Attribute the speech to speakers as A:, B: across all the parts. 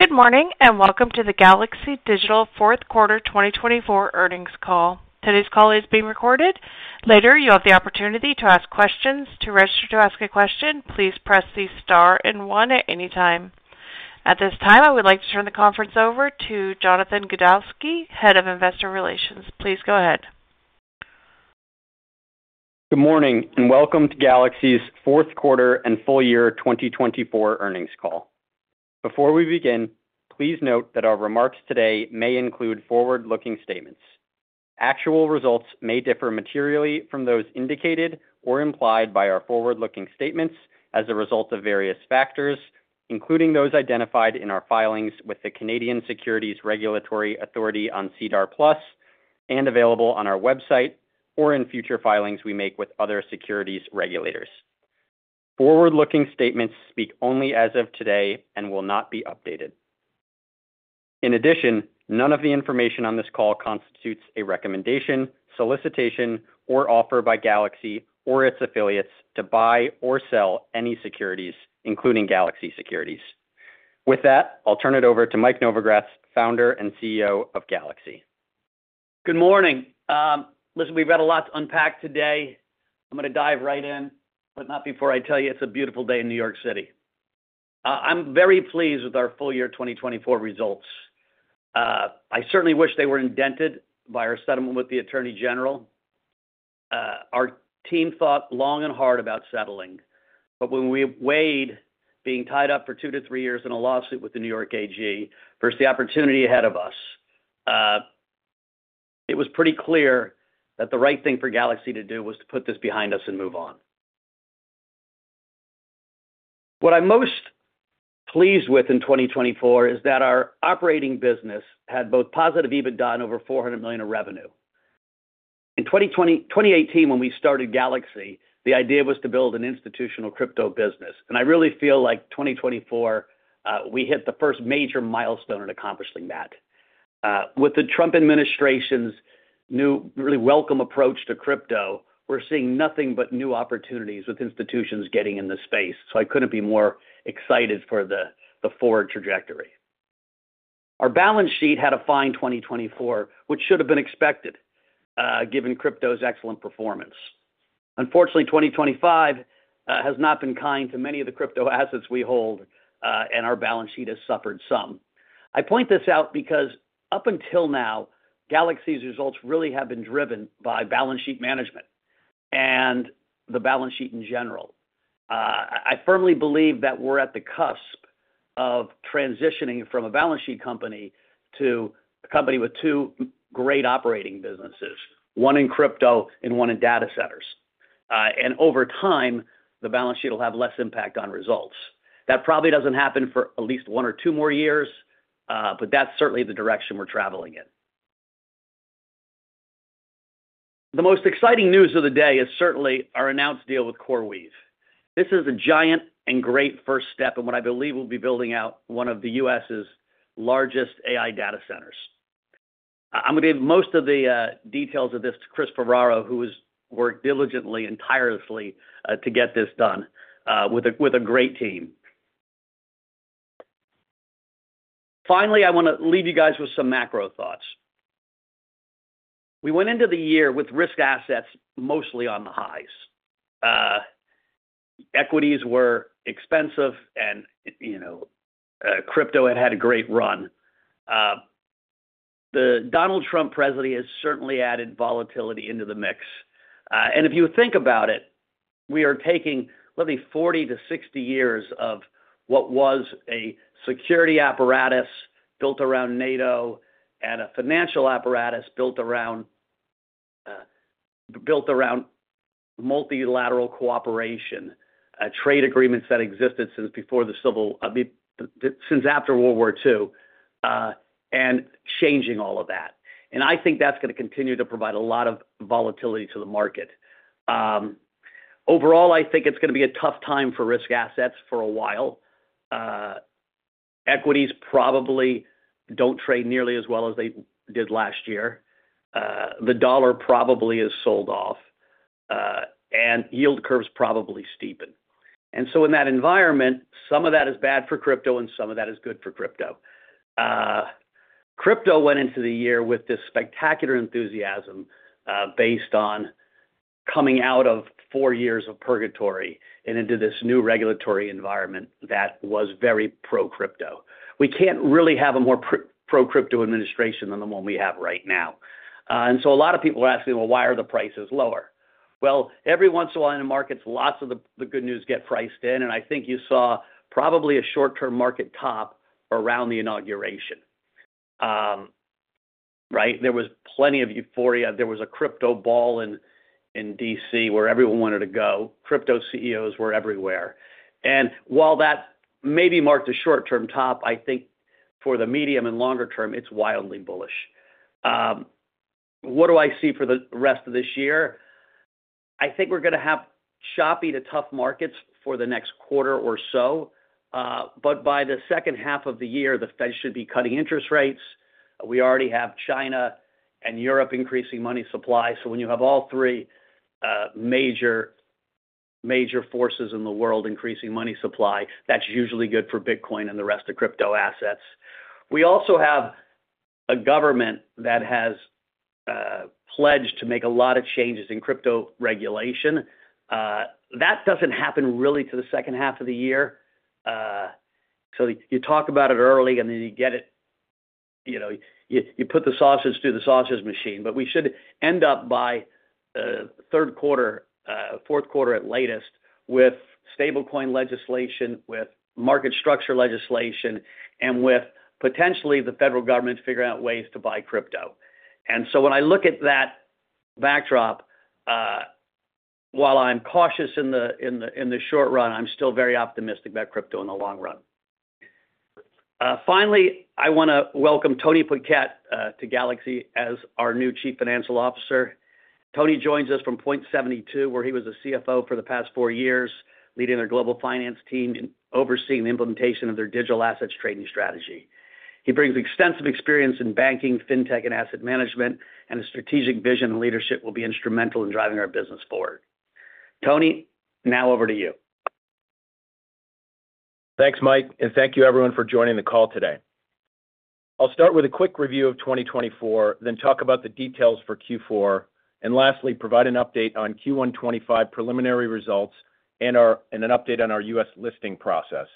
A: Good morning and welcome to the Galaxy Digital Fourth Quarter 2024 Earnings Call. Today's call is being recorded. Later, you'll have the opportunity to ask questions. To register to ask a question, please press the star and one at any time. At this time, I would like to turn the conference over to Jonathan Goldowsky, Head of Investor Relations. Please go ahead.
B: Good morning and welcome to Galaxy's fourth quarter and full year 2024 earnings call. Before we begin, please note that our remarks today may include forward-looking statements. Actual results may differ materially from those indicated or implied by our forward-looking statements as a result of various factors, including those identified in our filings with the Canadian securities regulatory authority on SEDAR+ and available on our website or in future filings we make with other securities regulators. Forward-looking statements speak only as of today and will not be updated. In addition, none of the information on this call constitutes a recommendation, solicitation, or offer by Galaxy or its affiliates to buy or sell any securities, including Galaxy Securities. With that, I'll turn it over to Mike Novogratz, Founder and CEO of Galaxy.
C: Good morning. Listen, we've got a lot to unpack today. I'm going to dive right in, but not before I tell you it's a beautiful day in New York City. I'm very pleased with our full year 2024 results. I certainly wish they were indented by our settlement with the Attorney General. Our team thought long and hard about settling, but when we weighed being tied up for two to three years in a lawsuit with the New York AG versus the opportunity ahead of us, it was pretty clear that the right thing for Galaxy to do was to put this behind us and move on. What I'm most pleased with in 2024 is that our operating business had both positive EBITDA and over $400 million of revenue. In 2018, when we started Galaxy, the idea was to build an institutional crypto business. I really feel like 2024, we hit the first major milestone in accomplishing that. With the Trump administration's new, really welcome approach to crypto, we're seeing nothing but new opportunities with institutions getting in the space. I couldn't be more excited for the forward trajectory. Our balance sheet had a fine 2024, which should have been expected given crypto's excellent performance. Unfortunately, 2025 has not been kind to many of the crypto assets we hold, and our balance sheet has suffered some. I point this out because up until now, Galaxy's results really have been driven by balance sheet management and the balance sheet in general. I firmly believe that we're at the cusp of transitioning from a balance sheet company to a company with two great operating businesses, one in crypto and one in data centers. Over time, the balance sheet will have less impact on results. That probably does not happen for at least one or two more years, but that is certainly the direction we are traveling in. The most exciting news of the day is certainly our announced deal with CoreWeave. This is a giant and great first step in what I believe will be building out one of the U.S.' largest AI data centers. I am going to give most of the details of this to Chris Ferraro, who has worked diligently and tirelessly to get this done with a great team. Finally, I want to leave you guys with some macro thoughts. We went into the year with risk assets mostly on the highs. Equities were expensive, and crypto had had a great run. The Donald Trump presidency has certainly added volatility into the mix. If you think about it, we are taking nearly 40 years-60 years of what was a security apparatus built around NATO and a financial apparatus built around multilateral cooperation, trade agreements that existed since after World War II, and changing all of that. I think that is going to continue to provide a lot of volatility to the market. Overall, I think it is going to be a tough time for risk assets for a while. Equities probably do not trade nearly as well as they did last year. The dollar probably is sold off, and yield curves probably steepen. In that environment, some of that is bad for crypto and some of that is good for crypto. Crypto went into the year with this spectacular enthusiasm based on coming out of four years of purgatory and into this new regulatory environment that was very pro-crypto. We can't really have a more pro-crypto administration than the one we have right now. A lot of people are asking, well, why are the prices lower? Every once in a while in the markets, lots of the good news get priced in. I think you saw probably a short-term market top around the inauguration. There was plenty of euphoria. There was a crypto ball in D.C. where everyone wanted to go. Crypto CEOs were everywhere. While that maybe marked a short-term top, I think for the medium and longer term, it's wildly bullish. What do I see for the rest of this year? I think we're going to have choppy to tough markets for the next quarter or so. By the second half of the year, the Fed should be cutting interest rates. We already have China and Europe increasing money supply. When you have all three major forces in the world increasing money supply, that's usually good for Bitcoin and the rest of crypto assets. We also have a government that has pledged to make a lot of changes in crypto regulation. That does not happen really to the second half of the year. You talk about it early and then you get it, you put the sausage through the sausage machine. We should end up by third quarter, fourth quarter at latest with stablecoin legislation, with market structure legislation, and with potentially the federal government figuring out ways to buy crypto. When I look at that backdrop, while I'm cautious in the short run, I'm still very optimistic about crypto in the long run. Finally, I want to welcome Tony Paquette to Galaxy as our new Chief Financial Officer. Tony joins us from Point72, where he was a CFO for the past four years, leading their global finance team and overseeing the implementation of their digital assets trading strategy. He brings extensive experience in banking, fintech, and asset management, and his strategic vision and leadership will be instrumental in driving our business forward. Tony, now over to you.
D: Thanks, Mike, and thank you everyone for joining the call today. I'll start with a quick review of 2024, then talk about the details for Q4, and lastly, provide an update on Q1 2025 preliminary results and an update on our U.S. listing process.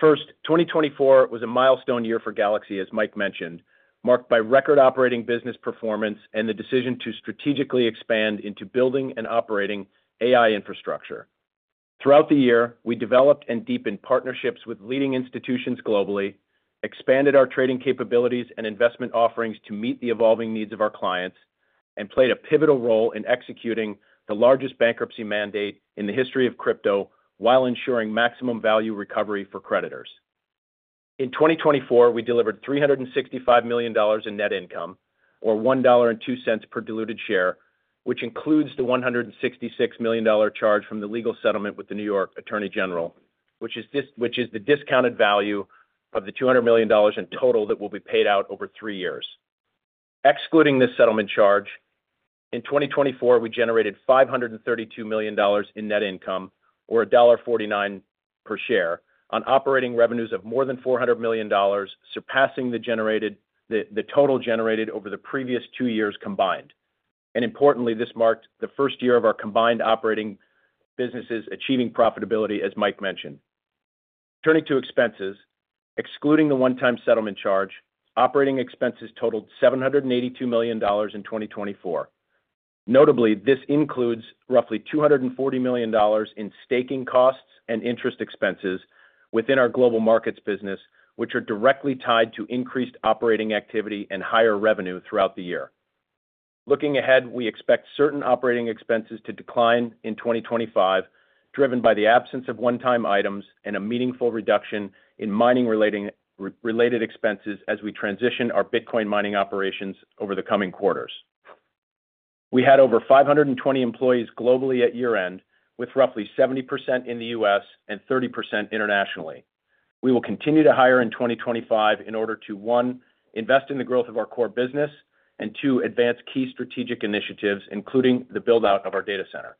D: First, 2024 was a milestone year for Galaxy, as Mike mentioned, marked by record operating business performance and the decision to strategically expand into building and operating AI infrastructure. Throughout the year, we developed and deepened partnerships with leading institutions globally, expanded our trading capabilities and investment offerings to meet the evolving needs of our clients, and played a pivotal role in executing the largest bankruptcy mandate in the history of crypto while ensuring maximum value recovery for creditors. In 2024, we delivered $365 million in net income, or $1.02 per diluted share, which includes the $166 million charge from the legal settlement with the New York Attorney General, which is the discounted value of the $200 million in total that will be paid out over three years. Excluding this settlement charge, in 2024, we generated $532 million in net income, or $1.49 per share, on operating revenues of more than $400 million, surpassing the total generated over the previous two years combined. Importantly, this marked the first year of our combined operating businesses achieving profitability, as Mike mentioned. Turning to expenses, excluding the one-time settlement charge, operating expenses totaled $782 million in 2024. Notably, this includes roughly $240 million in staking costs and interest expenses within our global markets business, which are directly tied to increased operating activity and higher revenue throughout the year. Looking ahead, we expect certain operating expenses to decline in 2025, driven by the absence of one-time items and a meaningful reduction in mining-related expenses as we transition our Bitcoin mining operations over the coming quarters. We had over 520 employees globally at year-end, with roughly 70% in the U.S. and 30% internationally. We will continue to hire in 2025 in order to, one, invest in the growth of our core business, and two, advance key strategic initiatives, including the build-out of our data center.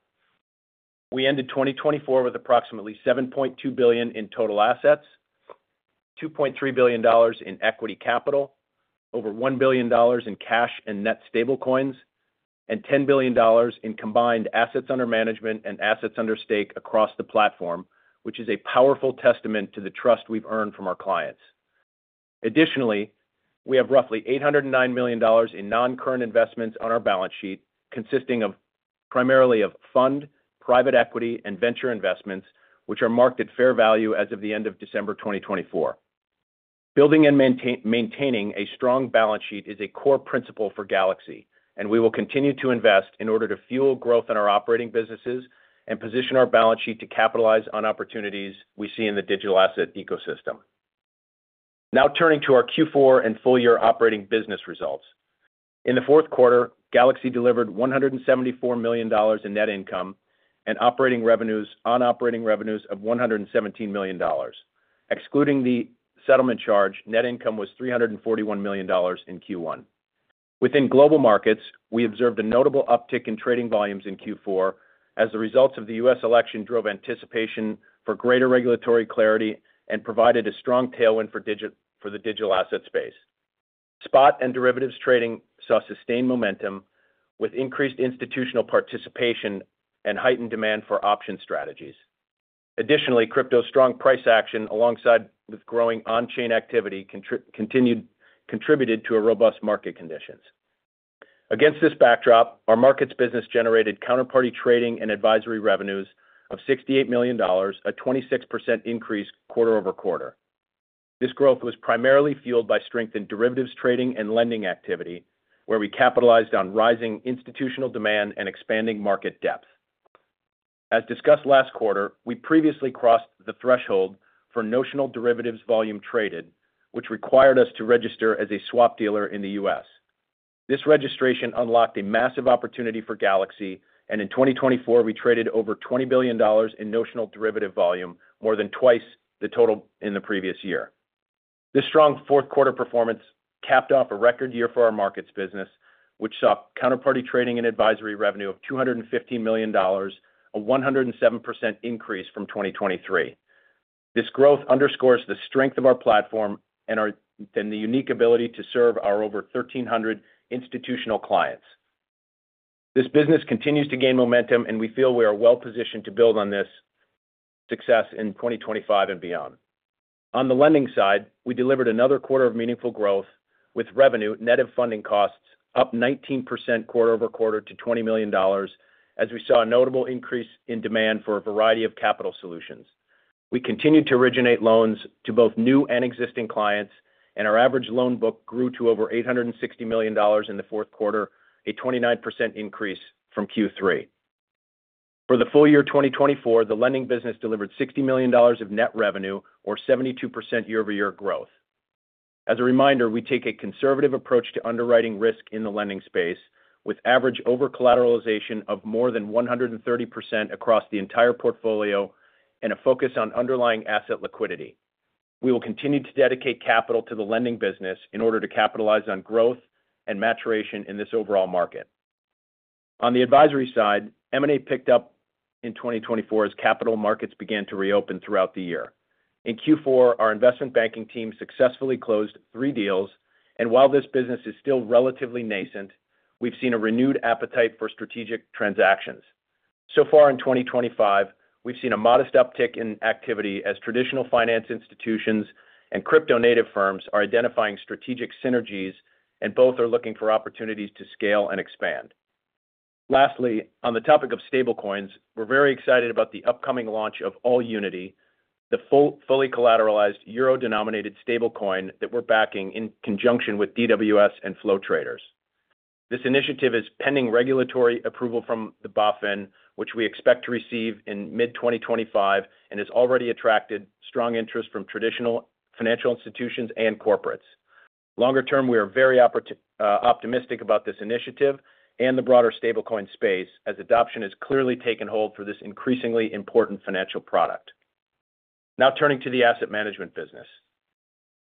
D: We ended 2024 with approximately $7.2 billion in total assets, $2.3 billion in equity capital, over $1 billion in cash and net stablecoins, and $10 billion in combined assets under management and assets under stake across the platform, which is a powerful testament to the trust we've earned from our clients. Additionally, we have roughly $809 million in non-current investments on our balance sheet, consisting primarily of fund, private equity, and venture investments, which are marked at fair value as of the end of December 2024. Building and maintaining a strong balance sheet is a core principle for Galaxy, and we will continue to invest in order to fuel growth in our operating businesses and position our balance sheet to capitalize on opportunities we see in the digital asset ecosystem. Now turning to our Q4 and full year operating business results. In the fourth quarter, Galaxy delivered $174 million in net income and operating revenues on operating revenues of $117 million. Excluding the settlement charge, net income was $341 million in Q1. Within global markets, we observed a notable uptick in trading volumes in Q4 as the results of the U.S. election drove anticipation for greater regulatory clarity and provided a strong tailwind for the digital asset space. Spot and derivatives trading saw sustained momentum with increased institutional participation and heightened demand for option strategies. Additionally, crypto's strong price action alongside with growing on-chain activity contributed to robust market conditions. Against this backdrop, our markets business generated counterparty trading and advisory revenues of $68 million, a 26% increase quarter-over-quarter. This growth was primarily fueled by strength in derivatives trading and lending activity, where we capitalized on rising institutional demand and expanding market depth. As discussed last quarter, we previously crossed the threshold for notional derivatives volume traded, which required us to register as a swap dealer in the U.S. This registration unlocked a massive opportunity for Galaxy, and in 2024, we traded over $20 billion in notional derivative volume, more than twice the total in the previous year. This strong fourth quarter performance capped off a record year for our markets business, which saw counterparty trading and advisory revenue of $215 million, a 107% increase from 2023. This growth underscores the strength of our platform and the unique ability to serve our over 1,300 institutional clients. This business continues to gain momentum, and we feel we are well positioned to build on this success in 2025 and beyond. On the lending side, we delivered another quarter of meaningful growth with revenue, net of funding costs, up 19% quarter-over-quarter to $20 million, as we saw a notable increase in demand for a variety of capital solutions. We continued to originate loans to both new and existing clients, and our average loan book grew to over $860 million in the fourth quarter, a 29% increase from Q3. For the full year 2024, the lending business delivered $60 million of net revenue, or 72% year-over-year growth. As a reminder, we take a conservative approach to underwriting risk in the lending space, with average over-collateralization of more than 130% across the entire portfolio and a focus on underlying asset liquidity. We will continue to dedicate capital to the lending business in order to capitalize on growth and maturation in this overall market. On the advisory side, M&A picked up in 2024 as capital markets began to reopen throughout the year. In Q4, our investment banking team successfully closed three deals, and while this business is still relatively nascent, we've seen a renewed appetite for strategic transactions. In 2025, we've seen a modest uptick in activity as traditional finance institutions and crypto-native firms are identifying strategic synergies, and both are looking for opportunities to scale and expand. Lastly, on the topic of stablecoins, we're very excited about the upcoming launch of AllUnity, the fully collateralized euro-denominated stablecoin that we're backing in conjunction with DWS and Flow Traders. This initiative is pending regulatory approval from the BaFin, which we expect to receive in mid-2025 and has already attracted strong interest from traditional financial institutions and corporates. Longer term, we are very optimistic about this initiative and the broader stablecoin space as adoption has clearly taken hold for this increasingly important financial product. Now turning to the asset management business.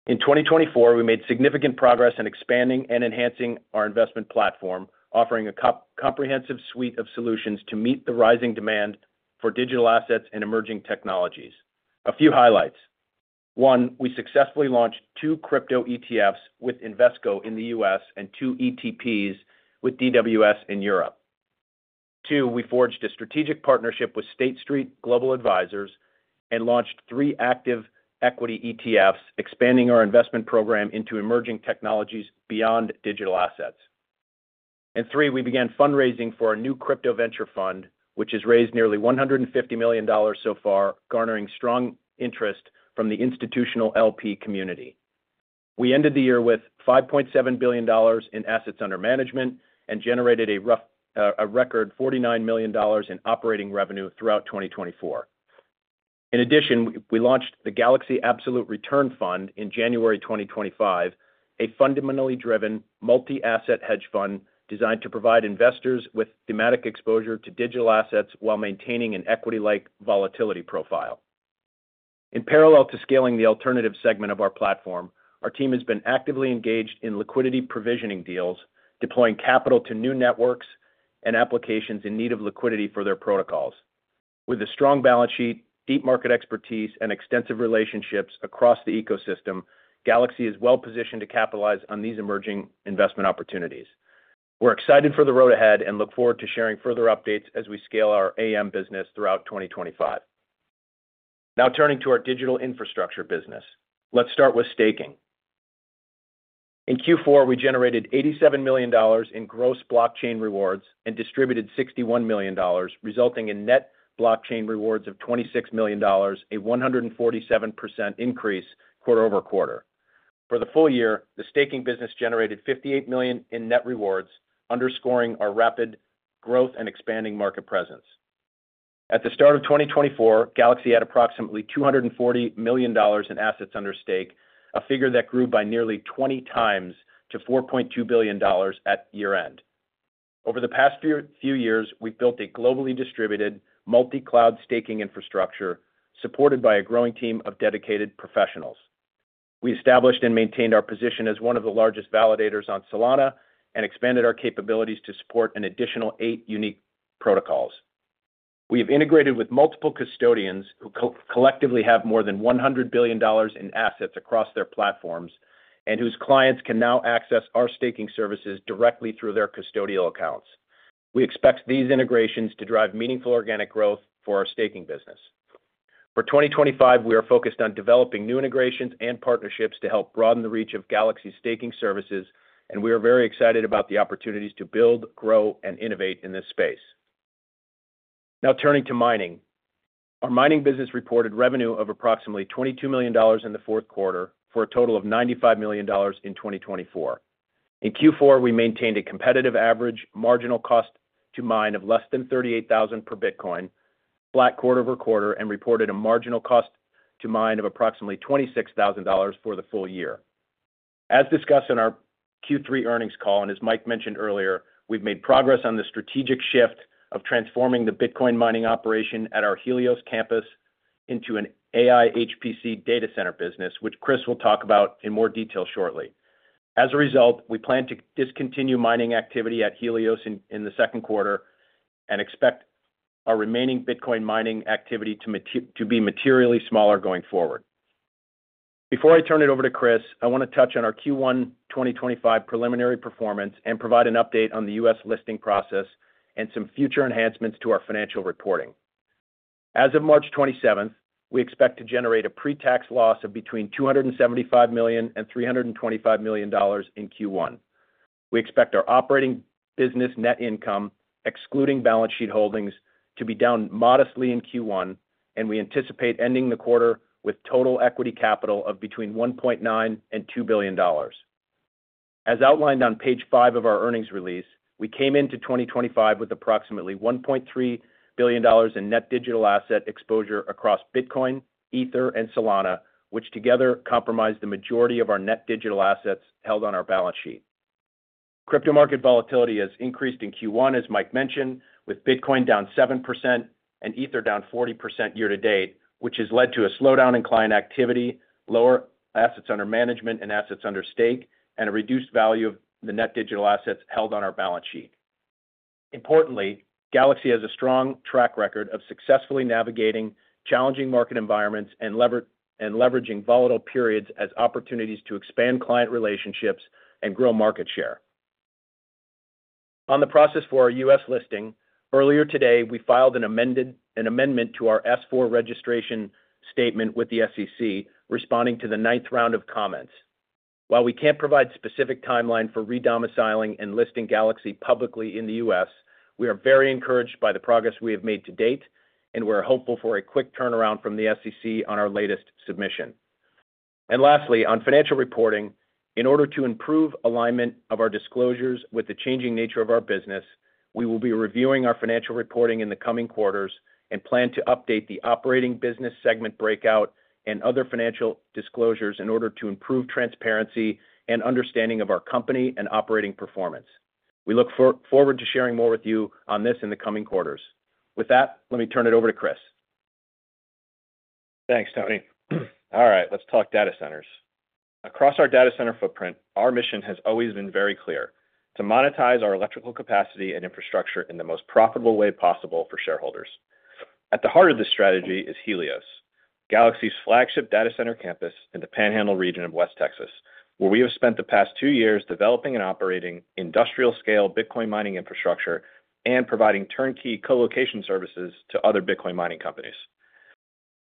D: In 2024, we made significant progress in expanding and enhancing our investment platform, offering a comprehensive suite of solutions to meet the rising demand for digital assets and emerging technologies. A few highlights. One, we successfully launched two crypto ETFs with Invesco in the U.S. and two ETPs with DWS in Europe. Two, we forged a strategic partnership with State Street Global Advisors and launched three active equity ETFs, expanding our investment program into emerging technologies beyond digital assets. Three, we began fundraising for a new crypto venture fund, which has raised nearly $150 million so far, garnering strong interest from the institutional LP community. We ended the year with $5.7 billion in assets under management and generated a record $49 million in operating revenue throughout 2024. In addition, we launched the Galaxy Absolute Return Fund in January 2025, a fundamentally driven multi-asset hedge fund designed to provide investors with thematic exposure to digital assets while maintaining an equity-like volatility profile. In parallel to scaling the alternative segment of our platform, our team has been actively engaged in liquidity provisioning deals, deploying capital to new networks and applications in need of liquidity for their protocols. With a strong balance sheet, deep market expertise, and extensive relationships across the ecosystem, Galaxy is well positioned to capitalize on these emerging investment opportunities. We're excited for the road ahead and look forward to sharing further updates as we scale our AM business throughout 2025. Now turning to our digital infrastructure business, let's start with staking. In Q4, we generated $87 million in gross blockchain rewards and distributed $61 million, resulting in net blockchain rewards of $26 million, a 147% increase quarter-over-quarter. For the full year, the staking business generated $58 million in net rewards, underscoring our rapid growth and expanding market presence. At the start of 2024, Galaxy had approximately $240 million in assets under stake, a figure that grew by nearly 20x to $4.2 billion at year-end. Over the past few years, we've built a globally distributed multi-cloud staking infrastructure supported by a growing team of dedicated professionals. We established and maintained our position as one of the largest validators on Solana and expanded our capabilities to support an additional eight unique protocols. We have integrated with multiple custodians who collectively have more than $100 billion in assets across their platforms and whose clients can now access our staking services directly through their custodial accounts. We expect these integrations to drive meaningful organic growth for our staking business. For 2025, we are focused on developing new integrations and partnerships to help broaden the reach of Galaxy's staking services, and we are very excited about the opportunities to build, grow, and innovate in this space. Now turning to mining, our mining business reported revenue of approximately $22 million in the fourth quarter for a total of $95 million in 2024. In Q4, we maintained a competitive average marginal cost to mine of less than $38,000 per Bitcoin, flat quarter-over-quarter, and reported a marginal cost to mine of approximately $26,000 for the full year. As discussed in our Q3 earnings call, and as Mike mentioned earlier, we've made progress on the strategic shift of transforming the Bitcoin mining operation at our Helios campus into an AI HPC data center business, which Chris will talk about in more detail shortly. As a result, we plan to discontinue mining activity at Helios in the second quarter and expect our remaining Bitcoin mining activity to be materially smaller going forward. Before I turn it over to Chris, I want to touch on our Q1 2025 preliminary performance and provide an update on the U.S. listing process and some future enhancements to our financial reporting. As of March 27th, we expect to generate a pre-tax loss of between $275 million and $325 million in Q1. We expect our operating business net income, excluding balance sheet holdings, to be down modestly in Q1, and we anticipate ending the quarter with total equity capital of between $1.9 billion and $2 billion. As outlined on page five of our earnings release, we came into 2025 with approximately $1.3 billion in net digital asset exposure across Bitcoin, Ether, and Solana, which together comprised the majority of our net digital assets held on our balance sheet. Crypto market volatility has increased in Q1, as Mike mentioned, with Bitcoin down 7% and Ether down 40% year-to-date, which has led to a slowdown in client activity, lower assets under management and assets under stake, and a reduced value of the net digital assets held on our balance sheet. Importantly, Galaxy has a strong track record of successfully navigating challenging market environments and leveraging volatile periods as opportunities to expand client relationships and grow market share. On the process for our U.S. listing, earlier today, we filed an amendment to our S-4 registration statement with the SEC, responding to the ninth round of comments. While we can't provide a specific timeline for re-domiciling and listing Galaxy publicly in the U.S., we are very encouraged by the progress we have made to date, and we're hopeful for a quick turnaround from the SEC on our latest submission. Lastly, on financial reporting, in order to improve alignment of our disclosures with the changing nature of our business, we will be reviewing our financial reporting in the coming quarters and plan to update the operating business segment breakout and other financial disclosures in order to improve transparency and understanding of our company and operating performance. We look forward to sharing more with you on this in the coming quarters. With that, let me turn it over to Chris.
E: Thanks, Tony. All right, let's talk data centers. Across our data center footprint, our mission has always been very clear: to monetize our electrical capacity and infrastructure in the most profitable way possible for shareholders. At the heart of this strategy is Helios, Galaxy's flagship data center campus in the panhandle region of West Texas, where we have spent the past two years developing and operating industrial-scale Bitcoin mining infrastructure and providing turnkey colocation services to other Bitcoin mining companies.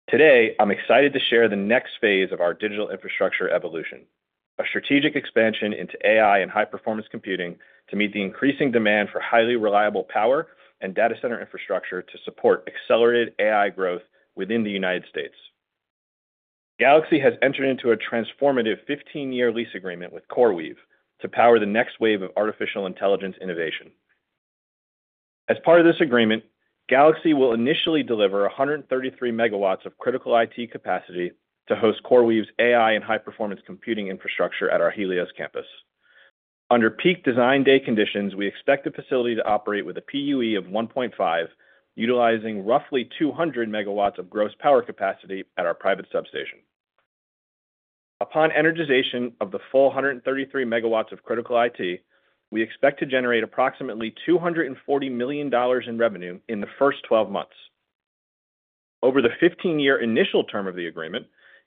E: Today, I'm excited to share the next phase of our digital infrastructure evolution, a strategic expansion into AI and high-performance computing to meet the increasing demand for highly reliable power and data center infrastructure to support accelerated AI growth within the United States. Galaxy has entered into a transformative 15-year lease agreement with CoreWeave to power the next wave of artificial intelligence innovation. As part of this agreement, Galaxy will initially deliver 133 MW of critical IT capacity to host CoreWeave's AI and high-performance computing infrastructure at our Helios campus. Under peak design day conditions, we expect the facility to operate with a PUE of 1.5, utilizing roughly 200 MW of gross power capacity at our private substation. Upon energization of the full 133 MW of critical IT, we expect to generate approximately $240 million in revenue in the first 12 months. Over the 15-year initial term of the agreement,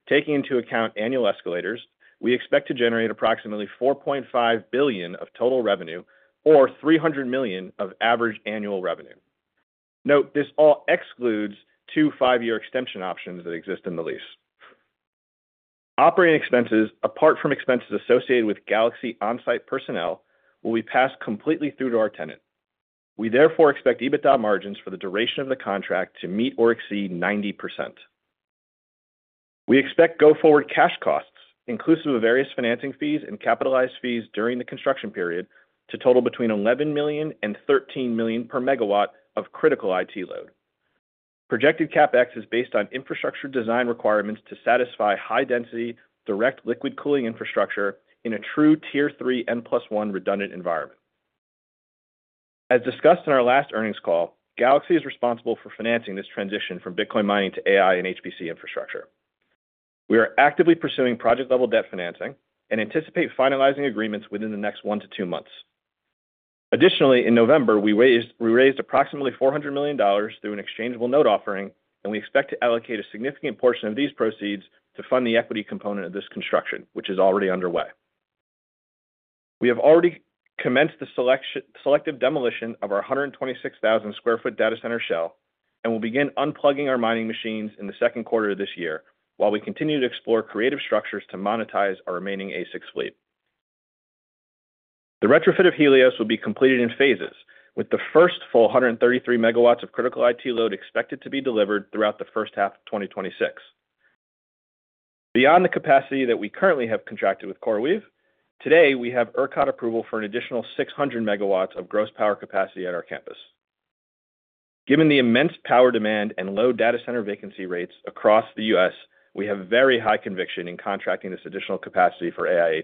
E: taking into account annual escalators, we expect to generate approximately $4.5 billion of total revenue or $300 million of average annual revenue. Note this all excludes two five-year extension options that exist in the lease. Operating expenses, apart from expenses associated with Galaxy on-site personnel, will be passed completely through to our tenant. We therefore expect EBITDA margins for the duration of the contract to meet or exceed 90%. We expect go forward cash costs, inclusive of various financing fees and capitalized fees during the construction period, to total between $11 million and $13 million per MW of critical IT load. Projected CapEx is based on infrastructure design requirements to satisfy high-density direct liquid cooling infrastructure in a true Tier 3 N+1 redundant environment. As discussed in our last earnings call, Galaxy is responsible for financing this transition from Bitcoin mining to AI and HPC infrastructure. We are actively pursuing project-level debt financing and anticipate finalizing agreements within the next one to two months. Additionally, in November, we raised approximately $400 million through an exchangeable note offering, and we expect to allocate a significant portion of these proceeds to fund the equity component of this construction, which is already underway. We have already commenced the selective demolition of our 126,000 sq ft data center shell and will begin unplugging our mining machines in the second quarter of this year while we continue to explore creative structures to monetize our remaining A6 fleet. The retrofit of Helios will be completed in phases, with the first full 133 MW of critical IT load expected to be delivered throughout the first half of 2026. Beyond the capacity that we currently have contracted with CoreWeave, today we have ERCOT approval for an additional 600 MW of gross power capacity at our campus. Given the immense power demand and low data center vacancy rates across the U.S., we have very high conviction in contracting this additional capacity for AI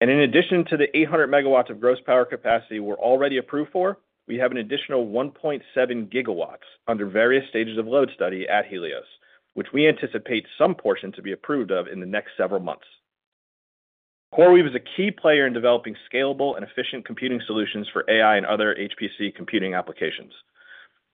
E: HPC. In addition to the 800 MW of gross power capacity we're already approved for, we have an additional 1.7 GW under various stages of load study at Helios, which we anticipate some portion to be approved of in the next several months. CoreWeave is a key player in developing scalable and efficient computing solutions for AI and other HPC computing applications.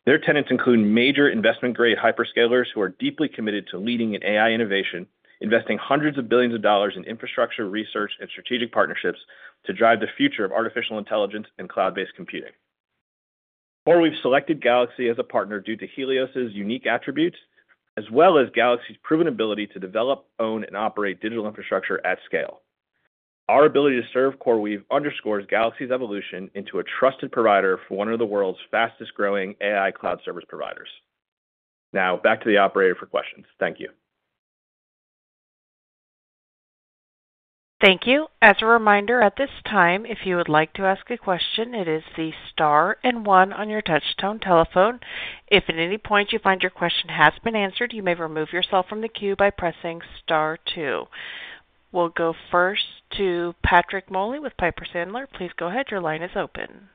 E: Their tenants include major investment-grade hyperscalers who are deeply committed to leading in AI innovation, investing hundreds of billions of dollars in infrastructure research and strategic partnerships to drive the future of artificial intelligence and cloud-based computing. CoreWeave selected Galaxy as a partner due to Helios's unique attributes, as well as Galaxy's proven ability to develop, own, and operate digital infrastructure at scale. Our ability to serve CoreWeave underscores Galaxy's evolution into a trusted provider for one of the world's fastest-growing AI cloud service providers. Now, back to the operator for questions. Thank you.
A: Thank you. As a reminder, at this time, if you would like to ask a question, it is the star and one on your touchtone telephone. If at any point you find your question has been answered, you may remove yourself from the queue by pressing star two. We'll go first to Patrick Moley with Piper Sandler. Please go ahead. Your line is open.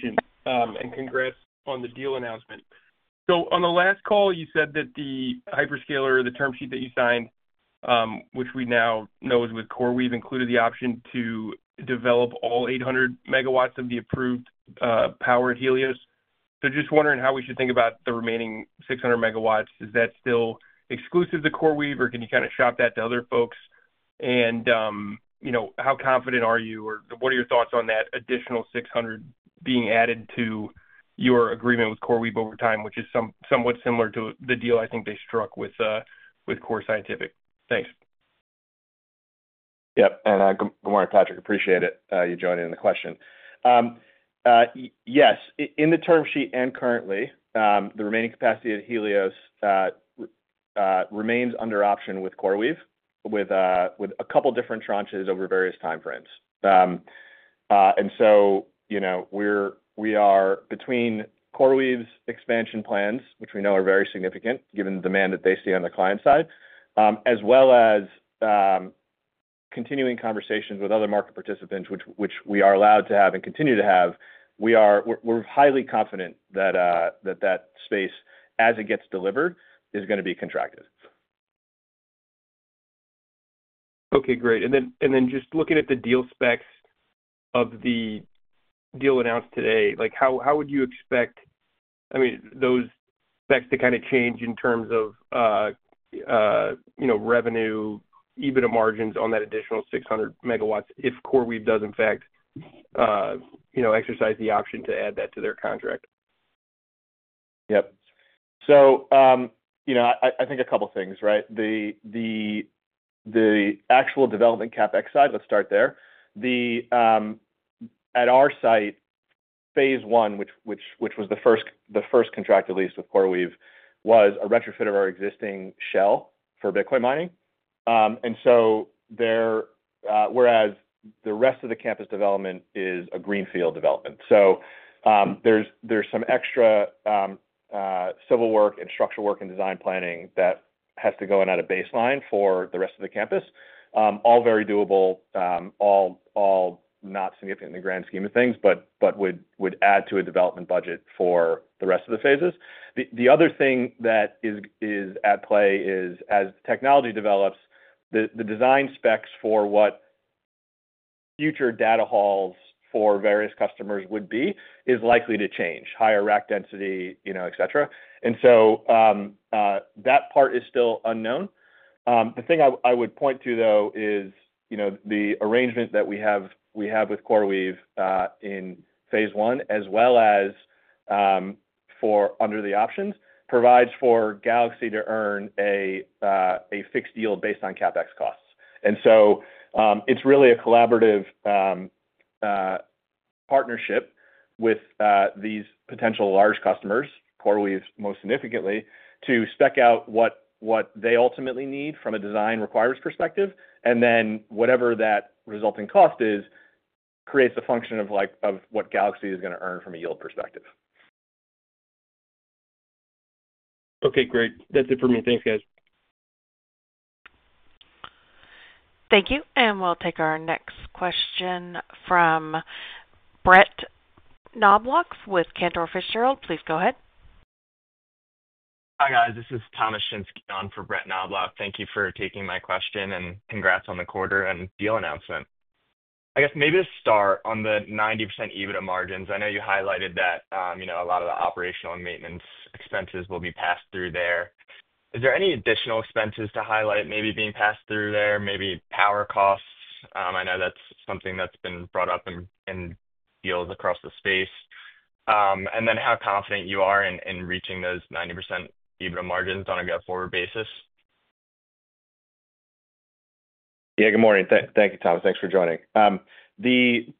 F: Thank you. And congrats on the deal announcement. On the last call, you said that the hyperscaler, the term sheet that you signed, which we now know is with CoreWeave, included the option to develop all 800 MW of the approved power at Helios. Just wondering how we should think about the remaining 600 MW. Is that still exclusive to CoreWeave, or can you kind of shop that to other folks? How confident are you, or what are your thoughts on that additional 600 being added to your agreement with CoreWeave over time, which is somewhat similar to the deal I think they struck with Core Scientific? Thanks.
E: Yep. Good morning, Patrick. Appreciate it. You joining the question. Yes. In the term sheet and currently, the remaining capacity at Helios remains under option with CoreWeave, with a couple of different tranches over various time frames. We are between CoreWeave's expansion plans, which we know are very significant given the demand that they see on the client side, as well as continuing conversations with other market participants, which we are allowed to have and continue to have. We're highly confident that that space, as it gets delivered, is going to be contracted.
F: Okay. Great. Then just looking at the deal specs of the deal announced today, how would you expect, I mean, those specs to kind of change in terms of revenue, EBITDA margins on that additional 600 MW if CoreWeave does, in fact, exercise the option to add that to their contract?
E: Yep. I think a couple of things, right? The actual development CapEx side, let's start there. At our site, phase I, which was the first contract at least with CoreWeave, was a retrofit of our existing shell for Bitcoin mining. Whereas the rest of the campus development is a greenfield development. There is some extra civil work and structural work and design planning that has to go in at a baseline for the rest of the campus, all very doable, all not significant in the grand scheme of things, but would add to a development budget for the rest of the phases. The other thing that is at play is, as technology develops, the design specs for what future data halls for various customers would be is likely to change: higher rack density, etc. That part is still unknown. The thing I would point to, though, is the arrangement that we have with CoreWeave in phase I as well as for under the options, provides for Galaxy to earn a fixed deal based on CapEx costs. It is really a collaborative partnership with these potential large customers, CoreWeave most significantly, to spec out what they ultimately need from a design requirements perspective. Whatever that resulting cost is creates a function of what Galaxy is going to earn from a yield perspective.
F: Okay. Great. That's it for me. Thanks, guys.
A: Thank you. We'll take our next question from Brett Knoblauch with Cantor Fitzgerald. Please go ahead.
G: Hi, guys. This is Thomas Shinske on for Brett Knoblauch. Thank you for taking my question and congrats on the quarter and deal announcement. I guess maybe to start on the 90% EBITDA margins, I know you highlighted that a lot of the operational and maintenance expenses will be passed through there. Is there any additional expenses to highlight maybe being passed through there, maybe power costs? I know that's something that's been brought up in deals across the space. How confident you are in reaching those 90% EBITDA margins on a go forward basis?
E: Yeah. Good morning. Thank you, Thomas. Thanks for joining. The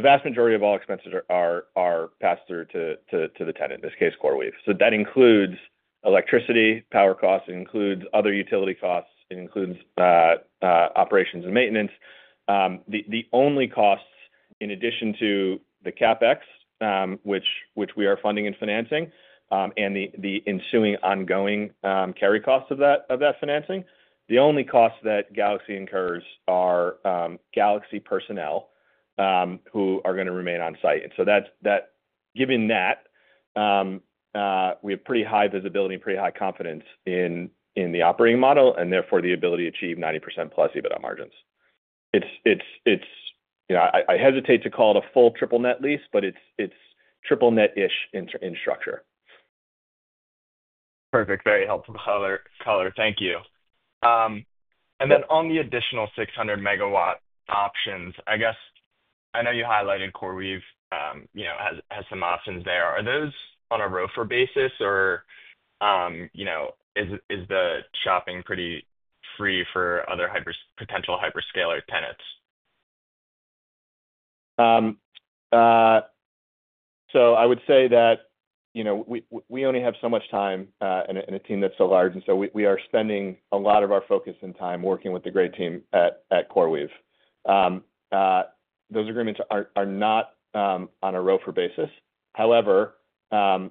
E: vast majority of all expenses are passed through to the tenant, in this case, CoreWeave. That includes electricity, power costs, other utility costs, operations and maintenance. The only costs, in addition to the CapEx, which we are funding and financing, and the ensuing ongoing carry costs of that financing, the only costs that Galaxy incurs are Galaxy personnel who are going to remain on site. Given that, we have pretty high visibility and pretty high confidence in the operating model and therefore the ability to achieve 90% plus EBITDA margins. I hesitate to call it a full triple-net lease, but it's triple-net-ish in structure.
G: Perfect. Very helpful, color. Thank you. On the additional 600 MW options, I guess I know you highlighted CoreWeave has some options there. Are those on a ROFR basis, or is the shopping pretty free for other potential hyperscaler tenants?
E: I would say that we only have so much time and a team that's so large. We are spending a lot of our focus and time working with the great team at CoreWeave. Those agreements are not on a ROFR basis. However,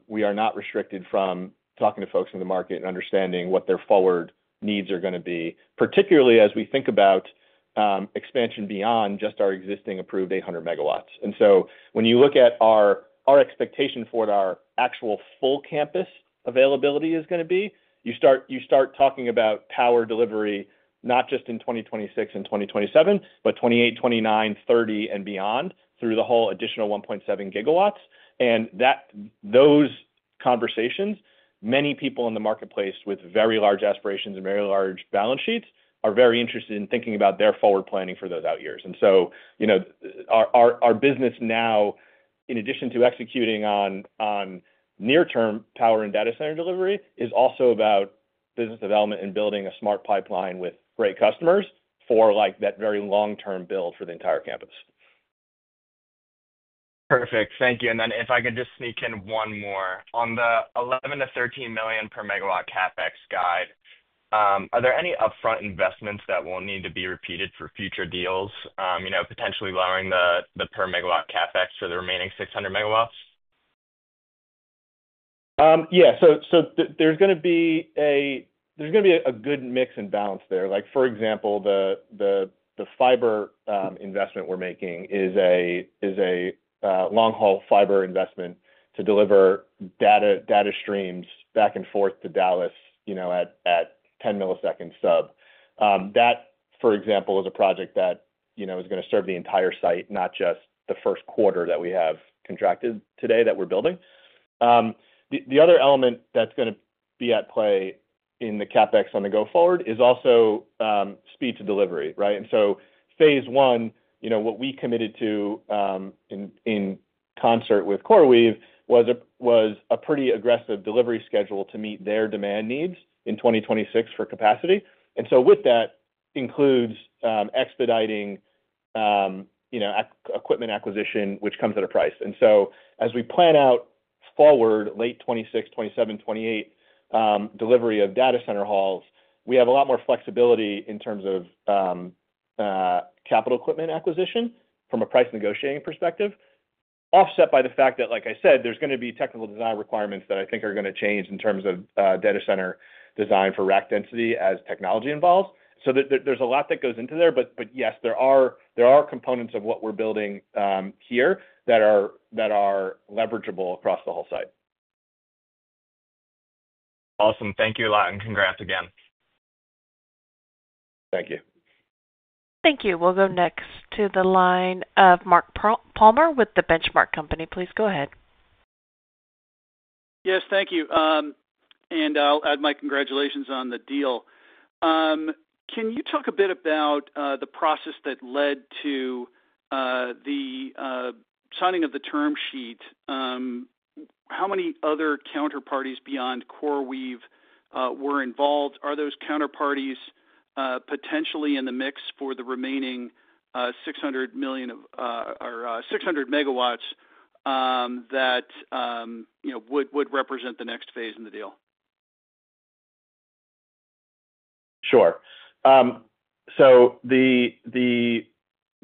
E: we are not restricted from talking to folks in the market and understanding what their forward needs are going to be, particularly as we think about expansion beyond just our existing approved 800 MW. When you look at our expectation for what our actual full campus availability is going to be, you start talking about power delivery not just in 2026 and 2027, but 2028, 2029, 2030, and beyond through the whole additional 1.7. Those conversations, many people in the marketplace with very large aspirations and very large balance sheets are very interested in thinking about their forward planning for those out years. Our business now, in addition to executing on near-term power and data center delivery, is also about business development and building a smart pipeline with great customers for that very long-term build for the entire campus.
G: Perfect. Thank you. If I can just sneak in one more. On the $11 million-$13 million per megawatt CapEx guide, are there any upfront investments that will need to be repeated for future deals, potentially lowering the per megawatt CapEx for the remaining 600 MW?
E: Yeah. There is going to be a good mix and balance there. For example, the fiber investment we are making is a long-haul fiber investment to deliver data streams back and forth to Dallas at 10 milliseconds sub. That, for example, is a project that is going to serve the entire site, not just the first quarter that we have contracted today that we are building. The other element that is going to be at play in the CapEx on the go forward is also speed to delivery, right? Phase I, what we committed to in concert with CoreWeave was a pretty aggressive delivery schedule to meet their demand needs in 2026 for capacity. With that includes expediting equipment acquisition, which comes at a price. As we plan out forward, late 2026, 2027, 2028, delivery of data center halls, we have a lot more flexibility in terms of capital equipment acquisition from a price negotiating perspective, offset by the fact that, like I said, there are going to be technical design requirements that I think are going to change in terms of data center design for rack density as technology evolves. There is a lot that goes into there. Yes, there are components of what we are building here that are leverageable across the whole site.
G: Awesome. Thank you a lot. And congrats again.
E: Thank you.
A: Thank you. We'll go next to the line of Mark Palmer with The Benchmark Company. Please go ahead.
H: Yes. Thank you. And I'll add my congratulations on the deal. Can you talk a bit about the process that led to the signing of the term sheet? How many other counterparties beyond CoreWeave were involved? Are those counterparties potentially in the mix for the remaining $600 million or 600 MW that would represent the next phase in the deal?
E: Sure.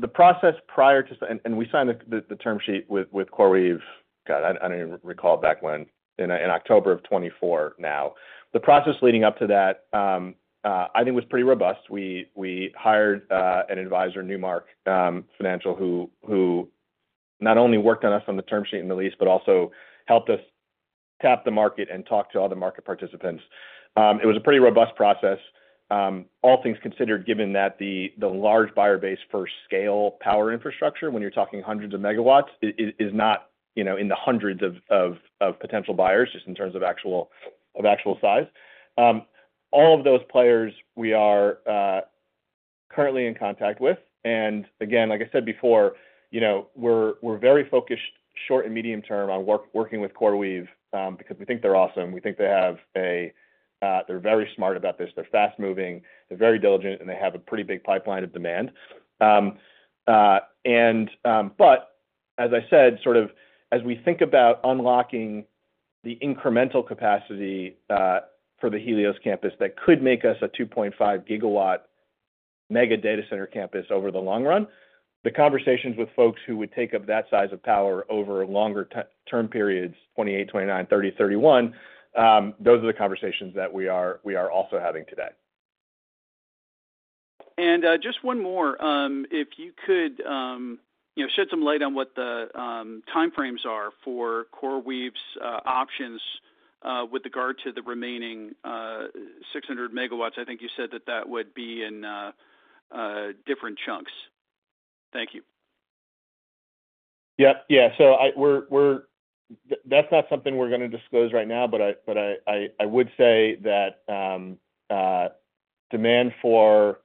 E: The process prior to and we signed the term sheet with CoreWeave. God, I don't even recall back when. In October of 2024 now. The process leading up to that, I think, was pretty robust. We hired an advisor, Newmark, who not only worked on us on the term sheet and the lease, but also helped us tap the market and talk to all the market participants. It was a pretty robust process, all things considered, given that the large buyer base for scale power infrastructure, when you're talking hundreds of megawatts, is not in the hundreds of potential buyers, just in terms of actual size. All of those players we are currently in contact with. Like I said before, we're very focused short and medium term on working with CoreWeave because we think they're awesome. We think they have a—they're very smart about this. They're fast-moving. They're very diligent, and they have a pretty big pipeline of demand. As I said, sort of as we think about unlocking the incremental capacity for the Helios campus that could make us a 2.5 GW mega data center campus over the long run, the conversations with folks who would take up that size of power over longer term periods, 2028, 2029, 2030, 2031, those are the conversations that we are also having today.
H: Just one more. If you could shed some light on what the time frames are for CoreWeave's options with regard to the remaining 600 MW, I think you said that that would be in different chunks. Thank you.
E: Yep. That is not something we are going to disclose right now, but I would say that demand for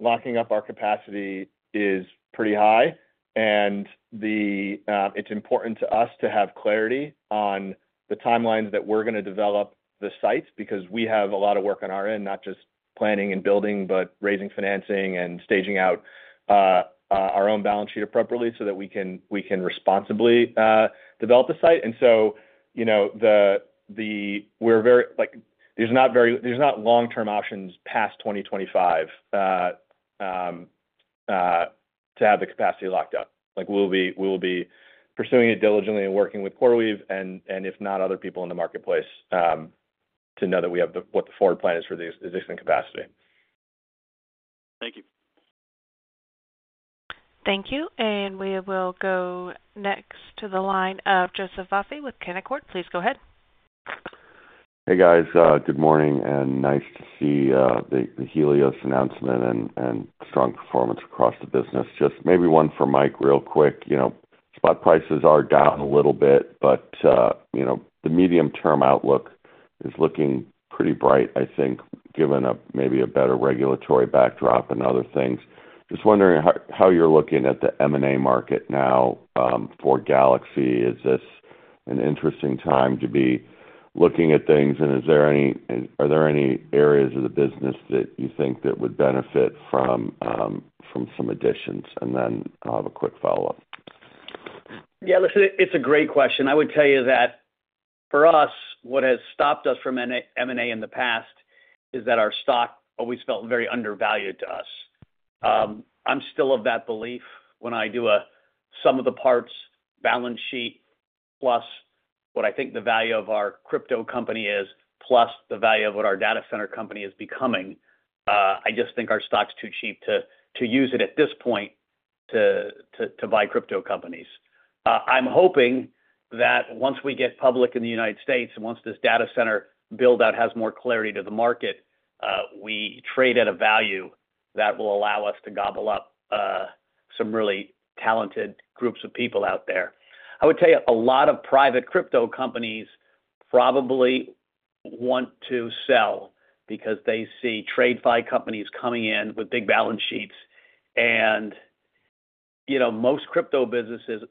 E: locking up our capacity is pretty high. It is important to us to have clarity on the timelines that we are going to develop the sites because we have a lot of work on our end, not just planning and building, but raising financing and staging out our own balance sheet appropriately so that we can responsibly develop the site. We are very clear there are not long-term options past 2025 to have the capacity locked up. We will be pursuing it diligently and working with CoreWeave and, if not, other people in the marketplace to know that we have what the forward plan is for existing capacity.
H: Thank you.
A: Thank you. We will go next to the line of Joseph Vafi with Canaccord. Please go ahead.
I: Hey, guys. Good morning. Nice to see the Helios announcement and strong performance across the business. Just maybe one for Mike real quick. Spot prices are down a little bit, but the medium-term outlook is looking pretty bright, I think, given maybe a better regulatory backdrop and other things. Just wondering how you're looking at the M&A market now for Galaxy. Is this an interesting time to be looking at things? Are there any areas of the business that you think that would benefit from some additions? I have a quick follow-up.
C: Yeah. Listen, it's a great question. I would tell you that for us, what has stopped us from M&A in the past is that our stock always felt very undervalued to us. I'm still of that belief when I do some of the parts balance sheet plus what I think the value of our crypto company is plus the value of what our data center company is becoming. I just think our stock's too cheap to use it at this point to buy crypto companies. I'm hoping that once we get public in the United States and once this data center build-out has more clarity to the market, we trade at a value that will allow us to gobble up some really talented groups of people out there. I would tell you a lot of private crypto companies probably want to sell because they see TradeFi companies coming in with big balance sheets. Most crypto businesses,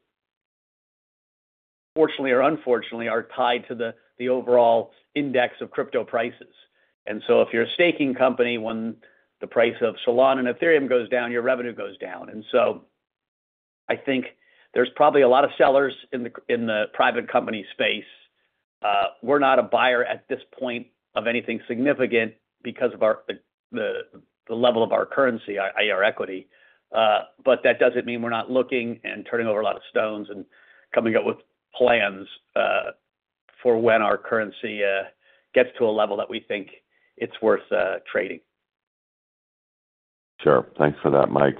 C: fortunately or unfortunately, are tied to the overall index of crypto prices. If you're a staking company, when the price of Solana and Ethereum goes down, your revenue goes down. I think there's probably a lot of sellers in the private company space. We're not a buyer at this point of anything significant because of the level of our currency, our equity. That does not mean we're not looking and turning over a lot of stones and coming up with plans for when our currency gets to a level that we think it's worth trading.
I: Sure. Thanks for that, Mike.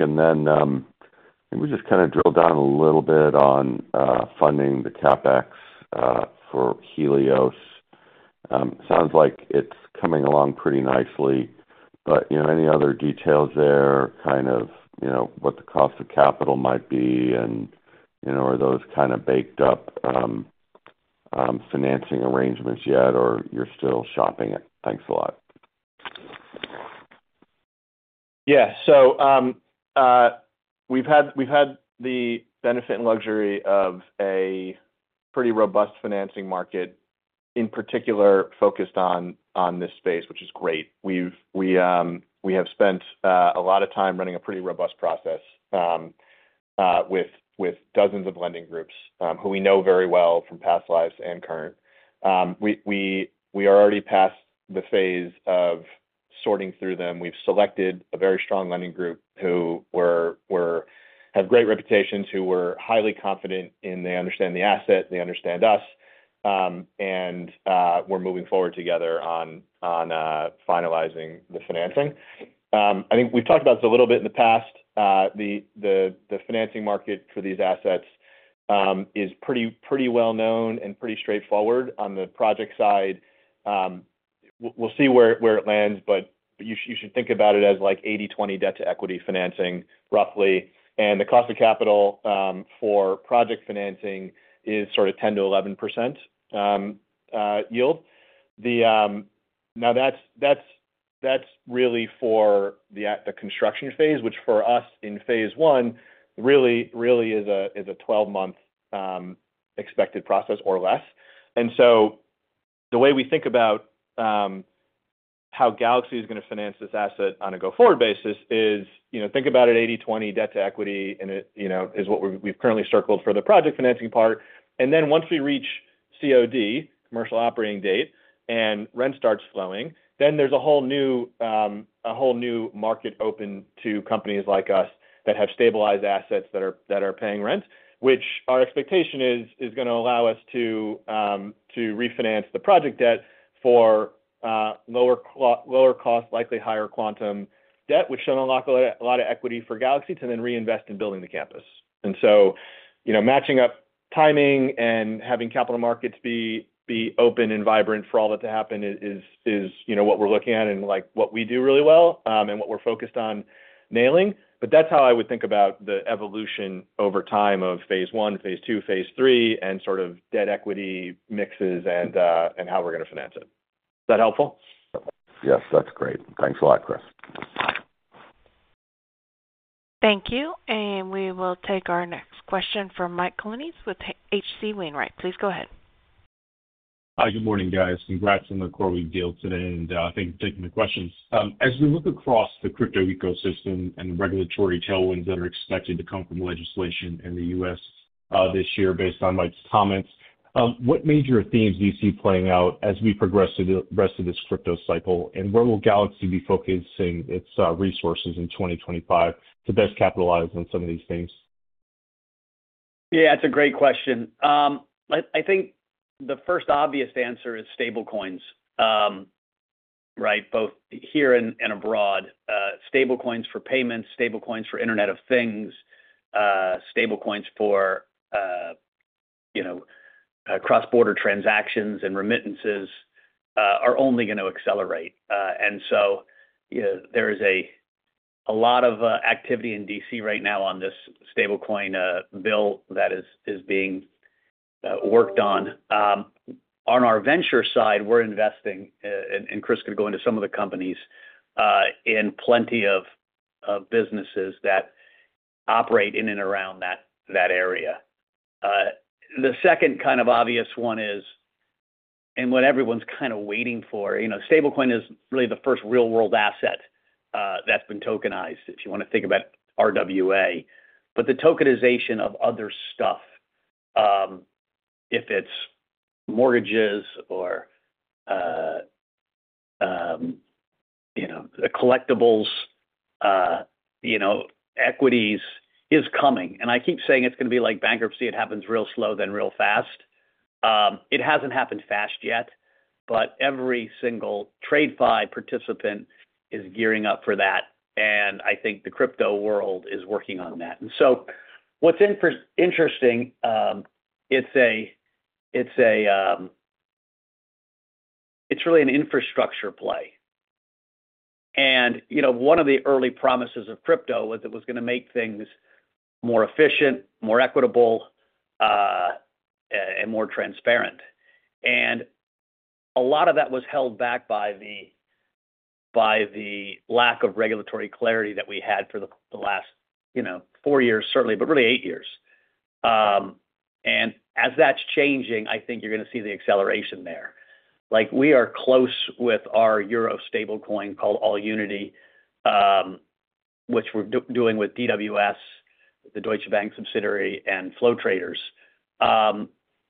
I: We just kind of drilled down a little bit on funding the CapEx for Helios. Sounds like it's coming along pretty nicely. Any other details there, kind of what the cost of capital might be, and are those kind of baked up financing arrangements yet, or you're still shopping it? Thanks a lot.
E: Yeah. We've had the benefit and luxury of a pretty robust financing market, in particular focused on this space, which is great. We have spent a lot of time running a pretty robust process with dozens of lending groups who we know very well from past lives and current. We are already past the phase of sorting through them. We have selected a very strong lending group who have great reputations, who were highly confident in they understand the asset, they understand us, and we are moving forward together on finalizing the financing. I think we have talked about this a little bit in the past. The financing market for these assets is pretty well-known and pretty straightforward on the project side. We will see where it lands, but you should think about it as like 80/20 debt to equity financing, roughly. The cost of capital for project financing is sort of 10%-11% yield. Now, that's really for the construction phase, which for us in phase I really is a 12-month expected process or less. The way we think about how Galaxy is going to finance this asset on a go forward basis is think about it 80/20 debt to equity is what we've currently circled for the project financing part. Once we reach COD, commercial operating date, and rent starts flowing, there is a whole new market open to companies like us that have stabilized assets that are paying rent, which our expectation is going to allow us to refinance the project debt for lower cost, likely higher quantum debt, which should unlock a lot of equity for Galaxy to then reinvest in building the campus. Matching up timing and having capital markets be open and vibrant for all that to happen is what we are looking at and what we do really well and what we are focused on nailing. That is how I would think about the evolution over time of phase I, phase II, phase III, and sort of debt equity mixes and how we are going to finance it. Is that helpful?
I: Yes. That is great. Thanks a lot, Chris.
A: Thank you. We will take our next question from Mike Colonnese with H.C. Wainwright. Please go ahead.
J: Hi. Good morning, guys. Congrats on the CoreWeave deal today. Thank you for taking my questions. As we look across the crypto ecosystem and the regulatory tailwinds that are expected to come from legislation in the U.S. this year based on Mike's comments, what major themes do you see playing out as we progress through the rest of this crypto cycle? Where will Galaxy be focusing its resources in 2025 to best capitalize on some of these things?
C: Yeah. That's a great question. I think the first obvious answer is stablecoins, right, both here and abroad. Stablecoins for payments, stablecoins for Internet of Things, stablecoins for cross-border transactions and remittances are only going to accelerate. There is a lot of activity in D.C. right now on this stablecoin bill that is being worked on. On our venture side, we're investing, and Chris could go into some of the companies, in plenty of businesses that operate in and around that area. The second kind of obvious one is, and what everyone's kind of waiting for, stablecoin is really the first real-world asset that's been tokenized, if you want to think about RWA, but the tokenization of other stuff, if it's mortgages or collectibles, equities, is coming. I keep saying it's going to be like bankruptcy. It happens real slow, then real fast. It hasn't happened fast yet, but every single TradeFi participant is gearing up for that. I think the crypto world is working on that. What's interesting, it's really an infrastructure play. One of the early promises of crypto was it was going to make things more efficient, more equitable, and more transparent. A lot of that was held back by the lack of regulatory clarity that we had for the last four years, certainly, but really eight years. As that's changing, I think you're going to see the acceleration there. We are close with our euro stablecoin called AllUnity, which we're doing with DWS, the Deutsche Bank subsidiary, and Flow Traders,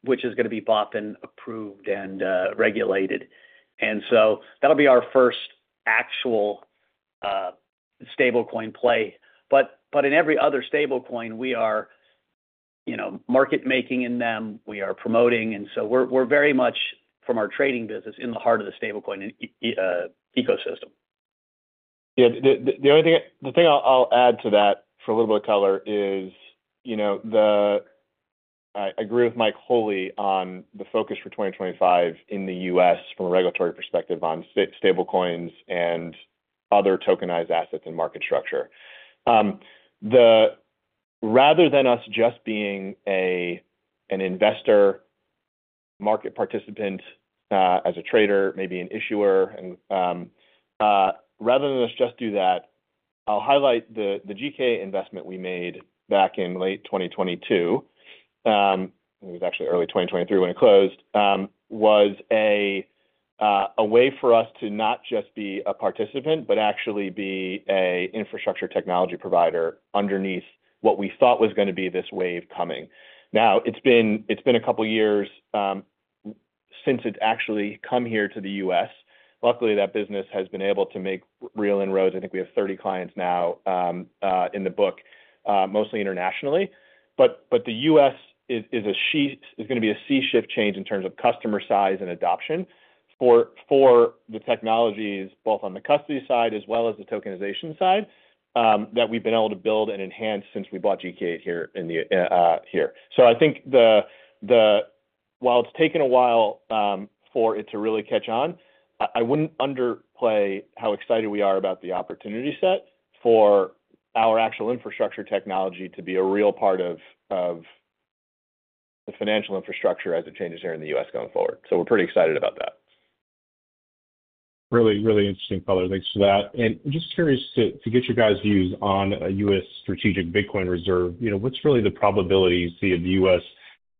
C: which is going to be bought and approved and regulated. That'll be our first actual stablecoin play. In every other stablecoin, we are market-making in them. We are promoting. We're very much, from our trading business, in the heart of the stablecoin ecosystem.
E: Yeah. The thing I'll add to that for a little bit of color is I agree with Mike on the focus for 2025 in the U.S. from a regulatory perspective on stablecoins and other tokenized assets and market structure. Rather than us just being an investor, market participant as a trader, maybe an issuer, rather than us just do that, I'll highlight the GK8 investment we made back in late 2022. It was actually early 2023 when it closed, was a way for us to not just be a participant, but actually be an infrastructure technology provider underneath what we thought was going to be this wave coming. Now, it's been a couple of years since it's actually come here to the U.S.. Luckily, that business has been able to make real inroads. I think we have 30 clients now in the book, mostly internationally. The U.S. is going to be a sea shift change in terms of customer size and adoption for the technologies, both on the custody side as well as the tokenization side that we've been able to build and enhance since we bought GK8 here. I think while it's taken a while for it to really catch on, I wouldn't underplay how excited we are about the opportunity set for our actual infrastructure technology to be a real part of the financial infrastructure as it changes here in the U.S. going forward. We're pretty excited about that.
J: Really, really interesting, color. Thanks for that. I'm just curious to get your guys' views on a U.S. strategic Bitcoin reserve. What's really the probability you see of the U.S.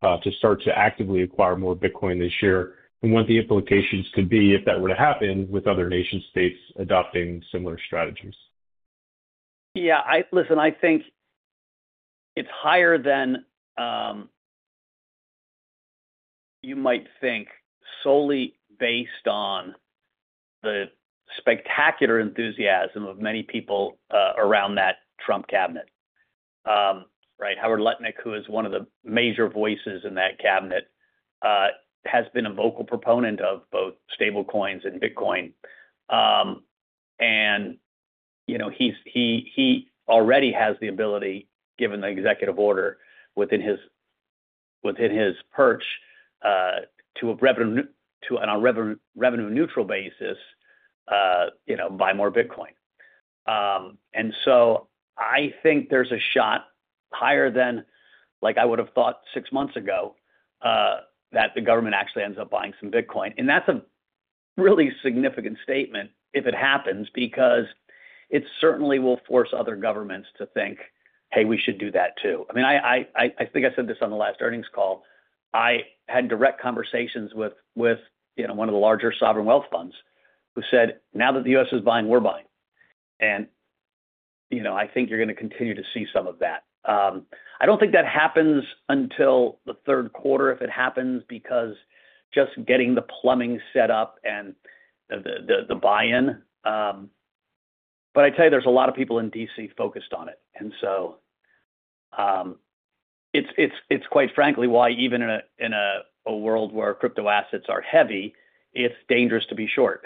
J: to start to actively acquire more Bitcoin this year and what the implications could be if that were to happen with other nation-states adopting similar strategies?
C: Yeah. Listen, I think it's higher than you might think solely based on the spectacular enthusiasm of many people around that Trump cabinet, right? Howard Lutnick, who is one of the major voices in that cabinet, has been a vocal proponent of both stablecoins and Bitcoin. He already has the ability, given the executive order within his perch, to, on a revenue-neutral basis, buy more Bitcoin. I think there's a shot higher than I would have thought six months ago that the government actually ends up buying some Bitcoin. That is a really significant statement if it happens because it certainly will force other governments to think, "Hey, we should do that too." I mean, I think I said this on the last earnings call. I had direct conversations with one of the larger sovereign wealth funds who said, "Now that the U.S. is buying, we are buying." I think you are going to continue to see some of that. I do not think that happens until the third quarter if it happens because just getting the plumbing set up and the buy-in. I tell you, there are a lot of people in D.C. focused on it. It is quite frankly why even in a world where crypto assets are heavy, it is dangerous to be short.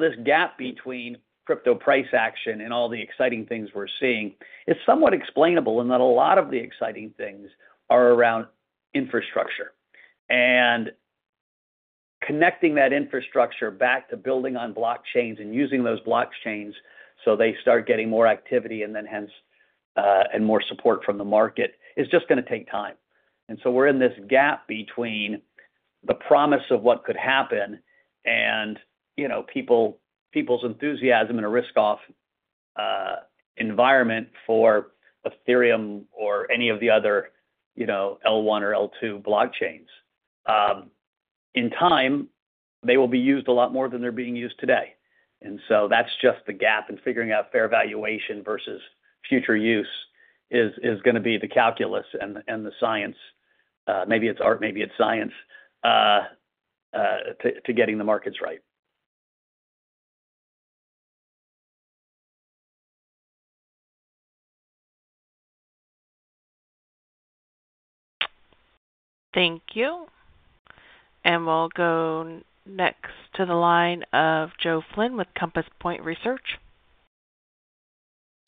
C: This gap between crypto price action and all the exciting things we're seeing is somewhat explainable in that a lot of the exciting things are around infrastructure. Connecting that infrastructure back to building on blockchains and using those blockchains so they start getting more activity and more support from the market is just going to take time. We are in this gap between the promise of what could happen and people's enthusiasm and a risk-off environment for Ethereum or any of the other L1 or L2 blockchains. In time, they will be used a lot more than they're being used today. That is just the gap. Figuring out fair valuation versus future use is going to be the calculus and the science. Maybe it's art, maybe it's science to getting the markets right.
A: Thank you. We'll go next to the line of Joe Flynn with Compass Point Research.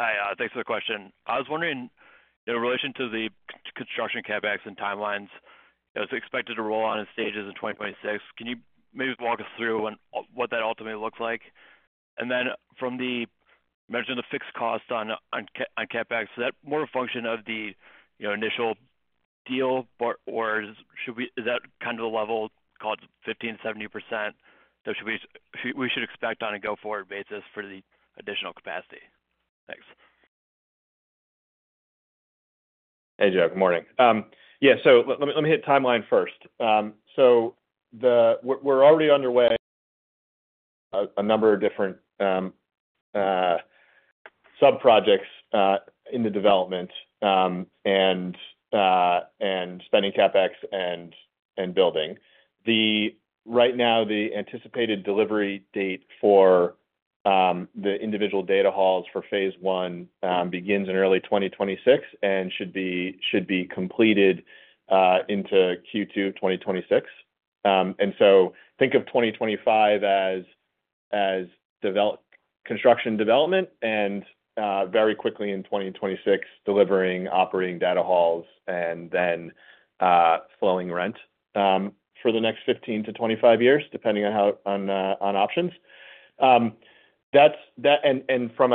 K: Hi. Thanks for the question. I was wondering in relation to the construction CapEx and timelines. It was expected to roll on in stages in 2026. Can you maybe walk us through what that ultimately looks like? From the mention of the fixed cost on CapEx, is that more a function of the initial deal, or is that kind of the level called 15%-17% that we should expect on a go forward basis for the additional capacity? Thanks.
E: Hey, Joe. Good morning. Yeah. Let me hit timeline first. We're already underway a number of different subprojects in the development and spending CapEx and building. Right now, the anticipated delivery date for the individual data halls for phase I begins in early 2026 and should be completed into Q2 2026. Think of 2025 as construction development and very quickly in 2026 delivering operating data halls and then flowing rent for the next 15 years-25 years, depending on options. From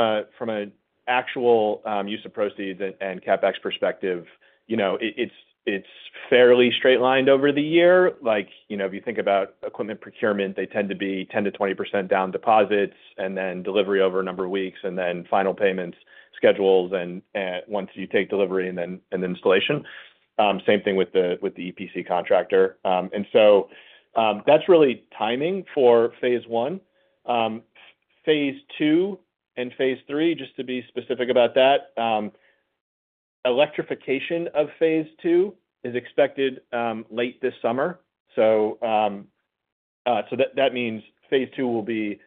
E: an actual use of proceeds and CapEx perspective, it is fairly straight lined over the year. If you think about equipment procurement, they tend to be 10%-20% down deposits and then delivery over a number of weeks and then final payment schedules once you take delivery and then installation. Same thing with the EPC contractor. That is really timing for phase I. Phase II and phase III, just to be specific about that, electrification of phase II is expected late this summer. That means phase II will be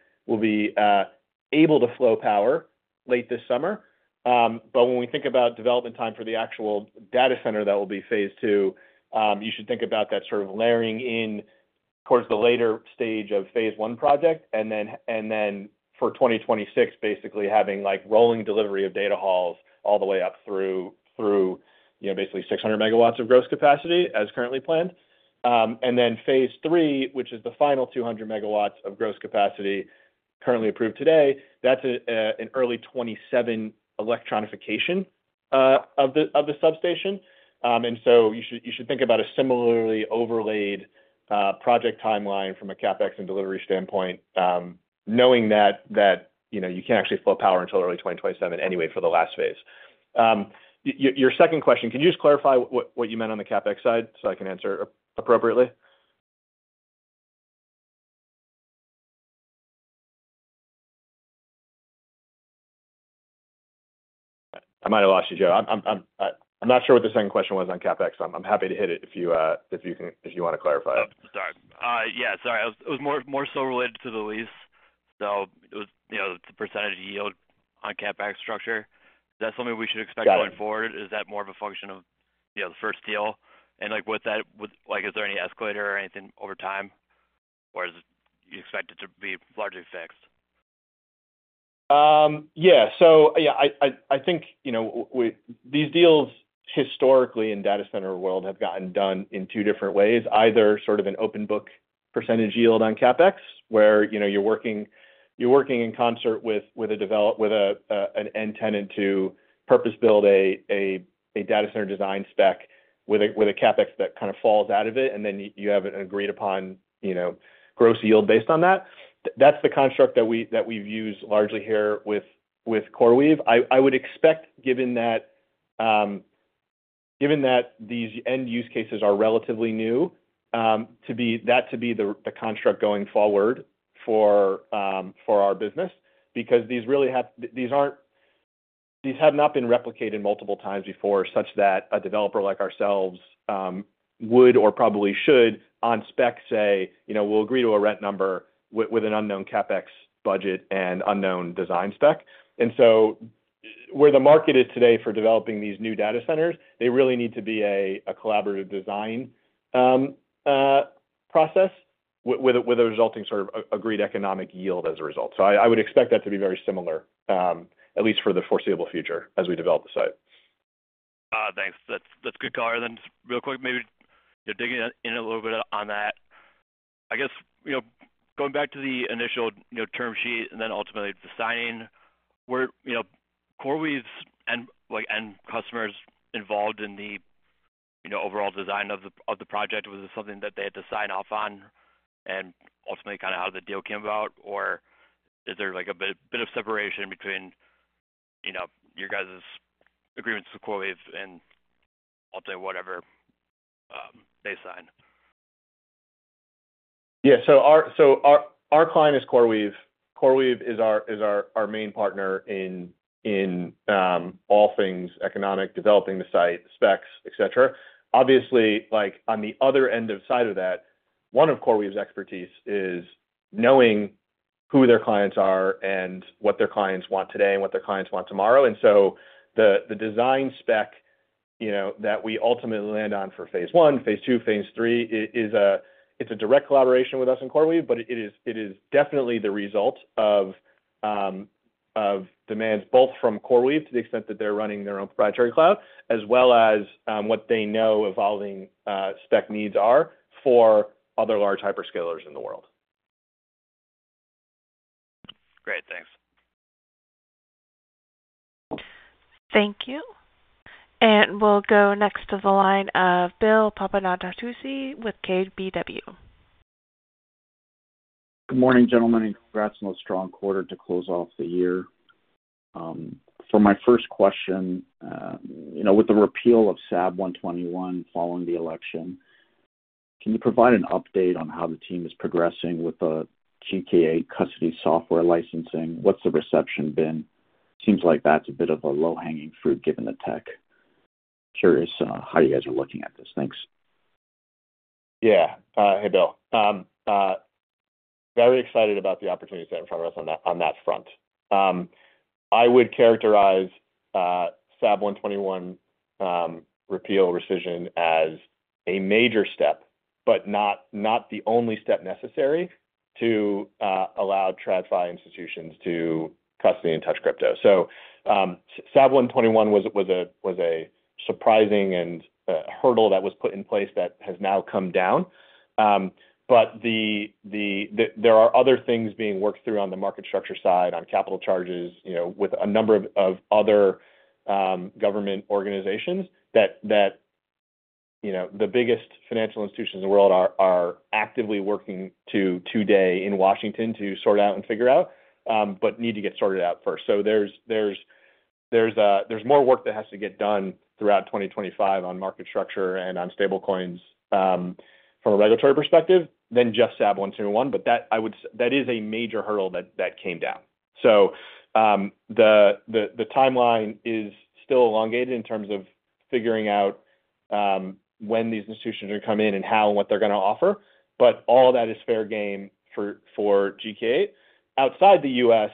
E: able to flow power late this summer. When we think about development time for the actual data center that will be phase II, you should think about that sort of layering in towards the later stage of phase I project and then for 2026, basically having rolling delivery of data halls all the way up through basically 600 MW of gross capacity as currently planned. Phase III, which is the final 200 MW of gross capacity currently approved today, that's an early 2027 electronification of the substation. You should think about a similarly overlaid project timeline from a CapEx and delivery standpoint, knowing that you can't actually flow power until early 2027 anyway for the last phase. Your second question, can you just clarify what you meant on the CapEx side so I can answer appropriately? I might have lost you, Joe. I'm not sure what the second question was on CapEx. I'm happy to hit it if you want to clarify it.
K: Yeah. Sorry. It was more so related to the lease. So it was the percentage yield on CapEx structure. Is that something we should expect going forward? Is that more of a function of the first deal? With that, is there any escalator or anything over time, or is it expected to be largely fixed?
E: Yeah. I think these deals historically in data center world have gotten done in two different ways. Either sort of an open book percentage yield on CapEx, where you're working in concert with an end tenant to purpose-build a data center design spec with a CapEx that kind of falls out of it, and then you have an agreed-upon gross yield based on that. That's the construct that we've used largely here with CoreWeave. I would expect, given that these end use cases are relatively new, that to be the construct going forward for our business because these have not been replicated multiple times before such that a developer like ourselves would or probably should on spec say, "We'll agree to a rent number with an unknown CapEx budget and unknown design spec." Where the market is today for developing these new data centers, they really need to be a collaborative design process with a resulting sort of agreed economic yield as a result. I would expect that to be very similar, at least for the foreseeable future as we develop the site.
K: Thanks. That's good, color. Real quick, maybe digging in a little bit on that. I guess going back to the initial term sheet and then ultimately the signing, were CoreWeave's end customers involved in the overall design of the project? Was it something that they had to sign off on and ultimately kind of how the deal came about, or is there a bit of separation between your guys' agreements with CoreWeave and ultimately whatever they sign?
E: Yeah. Our client is CoreWeave. CoreWeave is our main partner in all things economic, developing the site, specs, etc. Obviously, on the other side of that, one of CoreWeave's expertise is knowing who their clients are and what their clients want today and what their clients want tomorrow. The design spec that we ultimately land on for phase I, phase II, phase III, it's a direct collaboration with us and CoreWeave, but it is definitely the result of demands both from CoreWeave to the extent that they're running their own proprietary cloud as well as what they know evolving spec needs are for other large hyperscalers in the world.
K: Great. Thanks.
A: Thank you. We'll go next to the line of Bill Papanastasiou with KBW.
L: Good morning, gentlemen, and congrats on a strong quarter to close off the year. For my first question, with the repeal of SAB 121 following the election, can you provide an update on how the team is progressing with the GK8 custody software licensing? What's the reception been? Seems like that's a bit of a low-hanging fruit given the tech. Curious how you guys are looking at this. Thanks.
E: Yeah. Hey, Bill. Very excited about the opportunities that are in front of us on that front. I would characterize SAB 121 repeal rescission as a major step, but not the only step necessary to allow TradFi institutions to custody and touch crypto. SAB 121 was a surprising hurdle that was put in place that has now come down. There are other things being worked through on the market structure side on capital charges with a number of other government organizations that the biggest financial institutions in the world are actively working to today in Washington to sort out and figure out, but need to get sorted out first. There is more work that has to get done throughout 2025 on market structure and on stablecoins from a regulatory perspective than just SAB 121. That is a major hurdle that came down. The timeline is still elongated in terms of figuring out when these institutions are going to come in and how and what they're going to offer. All of that is fair game for GK8. Outside the U.S.,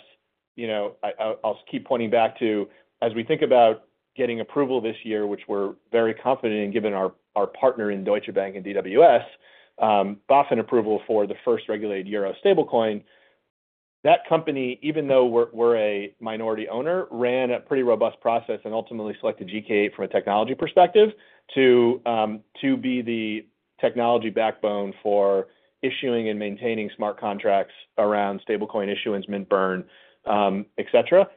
E: I'll keep pointing back to as we think about getting approval this year, which we're very confident in given our partner in Deutsche Bank and DWS, BaFin approval for the first regulated euro stablecoin, that company, even though we're a minority owner, ran a pretty robust process and ultimately selected GK8 from a technology perspective to be the technology backbone for issuing and maintaining smart contracts around stablecoin issuance, mint burn, etc.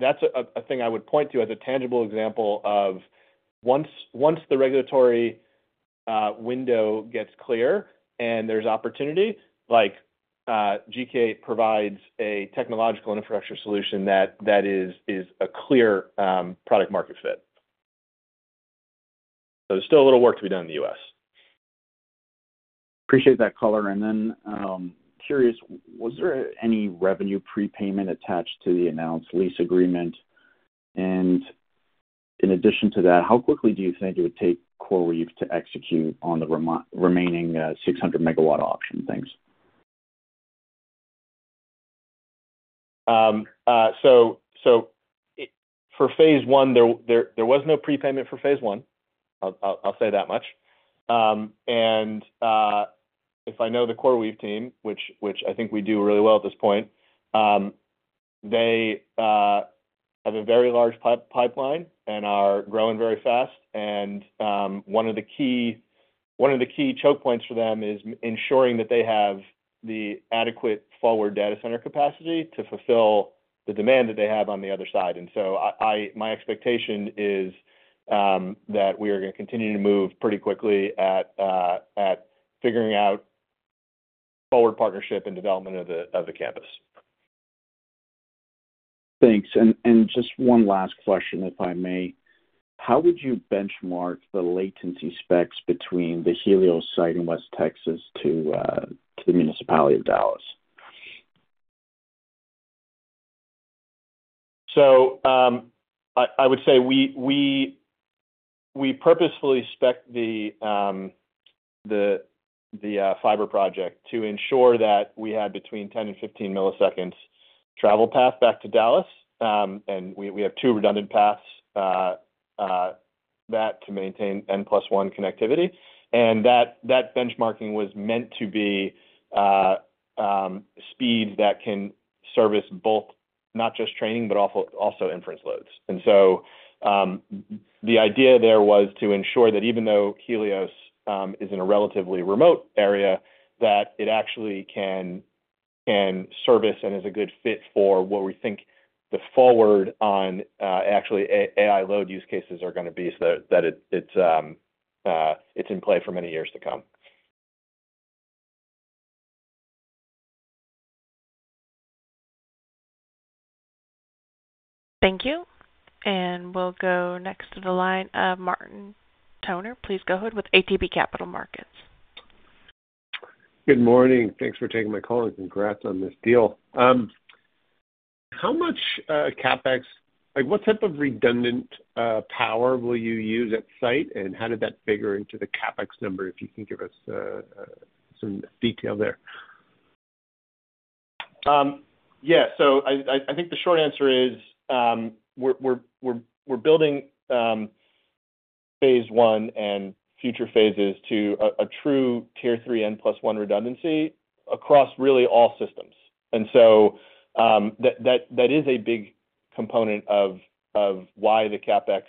E: That is a thing I would point to as a tangible example of once the regulatory window gets clear and there's opportunity, GK8 provides a technological infrastructure solution that is a clear product-market fit. There is still a little work to be done in the U.S.
L: Appreciate that, color. I am curious, was there any revenue prepayment attached to the announced lease agreement? In addition to that, how quickly do you think it would take CoreWeave to execute on the remaining 600 MW option? Thanks.
E: For phase I, there was no prepayment for phase I. I will say that much. If I know the CoreWeave team, which I think we do really well at this point, they have a very large pipeline and are growing very fast. One of the key choke points for them is ensuring that they have the adequate forward data center capacity to fulfill the demand that they have on the other side. My expectation is that we are going to continue to move pretty quickly at figuring out forward partnership and development of the campus.
L: Thanks. Just one last question, if I may. How would you benchmark the latency specs between the Helios site in West Texas to the municipality of Dallas?
E: I would say we purposefully specced the fiber project to ensure that we had between 10 ms-15 ms travel path back to Dallas. We have two redundant paths back to maintain N+1 connectivity. That benchmarking was meant to be speeds that can service both not just training, but also inference loads. The idea there was to ensure that even though Helios is in a relatively remote area, that it actually can service and is a good fit for what we think the forward on actually AI load use cases are going to be so that it's in play for many years to come.
A: Thank you. We'll go next to the line of Martin Toner. Please go ahead with ATB Capital Markets.
M: Good morning. Thanks for taking my call and congrats on this deal. How much CapEx? What type of redundant power will you use at site? How did that figure into the CapEx number if you can give us some detail there?
E: Yeah. I think the short answer is we're building phase I and future phases to a true Tier 3 N+1 redundancy across really all systems. That is a big component of why the CapEx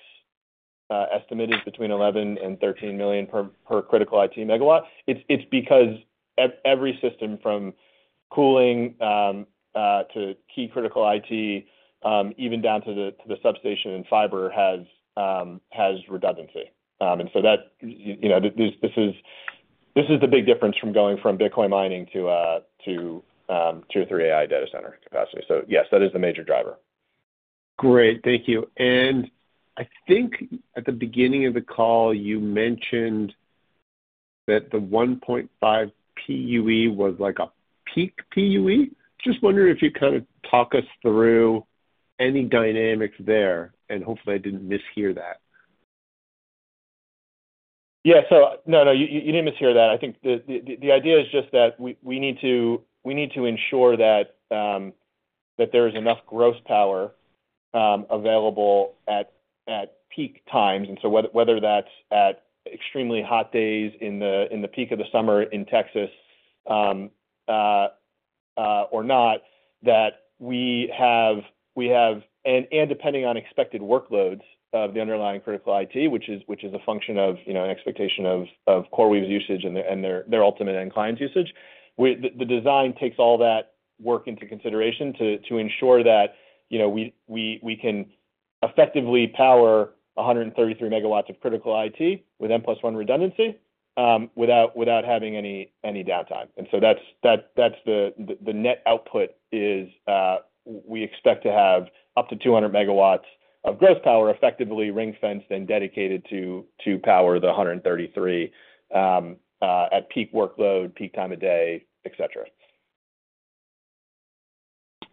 E: estimate is between $11 million and $13 million per critical IT MW. It is because every system from cooling to key critical IT, even down to the substation and fiber, has redundancy. This is the big difference from going from Bitcoin mining to two or three AI data center capacity. Yes, that is the major driver.
M: Great. Thank you. I think at the beginning of the call, you mentioned that the 1.5 PUE was like a peak PUE. Just wondering if you could kind of talk us through any dynamics there, and hopefully I did not mishear that.
E: Yeah. No, you did not mishear that. I think the idea is just that we need to ensure that there is enough gross power available at peak times. Whether that's at extremely hot days in the peak of the summer in Texas or not, that we have and depending on expected workloads of the underlying critical IT, which is a function of an expectation of CoreWeave's usage and their ultimate end client's usage, the design takes all that work into consideration to ensure that we can effectively power 133 MW of critical IT with N+1 redundancy without having any downtime. The net output is we expect to have up to 200 MW of gross power effectively ring-fenced and dedicated to power the 133 at peak workload, peak time of day, etc.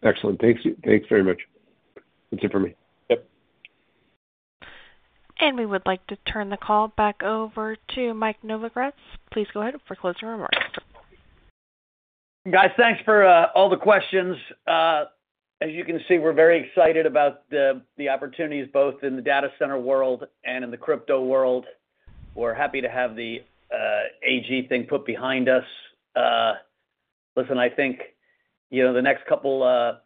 M: Excellent. Thanks very much. That's it for me.
E: Yep.
A: We would like to turn the call back over to Mike Novogratz. Please go ahead and foreclose your remarks.
C: Guys, thanks for all the questions. As you can see, we're very excited about the opportunities both in the data center world and in the crypto world. We're happy to have the AG thing put behind us. Listen, I think the next couple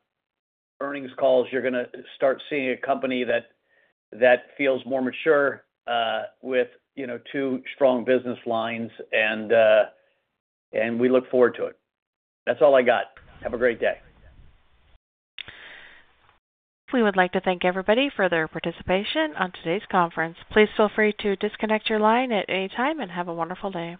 C: earnings calls, you're going to start seeing a company that feels more mature with two strong business lines, and we look forward to it. That's all I got. Have a great day.
A: We would like to thank everybody for their participation on today's conference. Please feel free to disconnect your line at any time and have a wonderful day.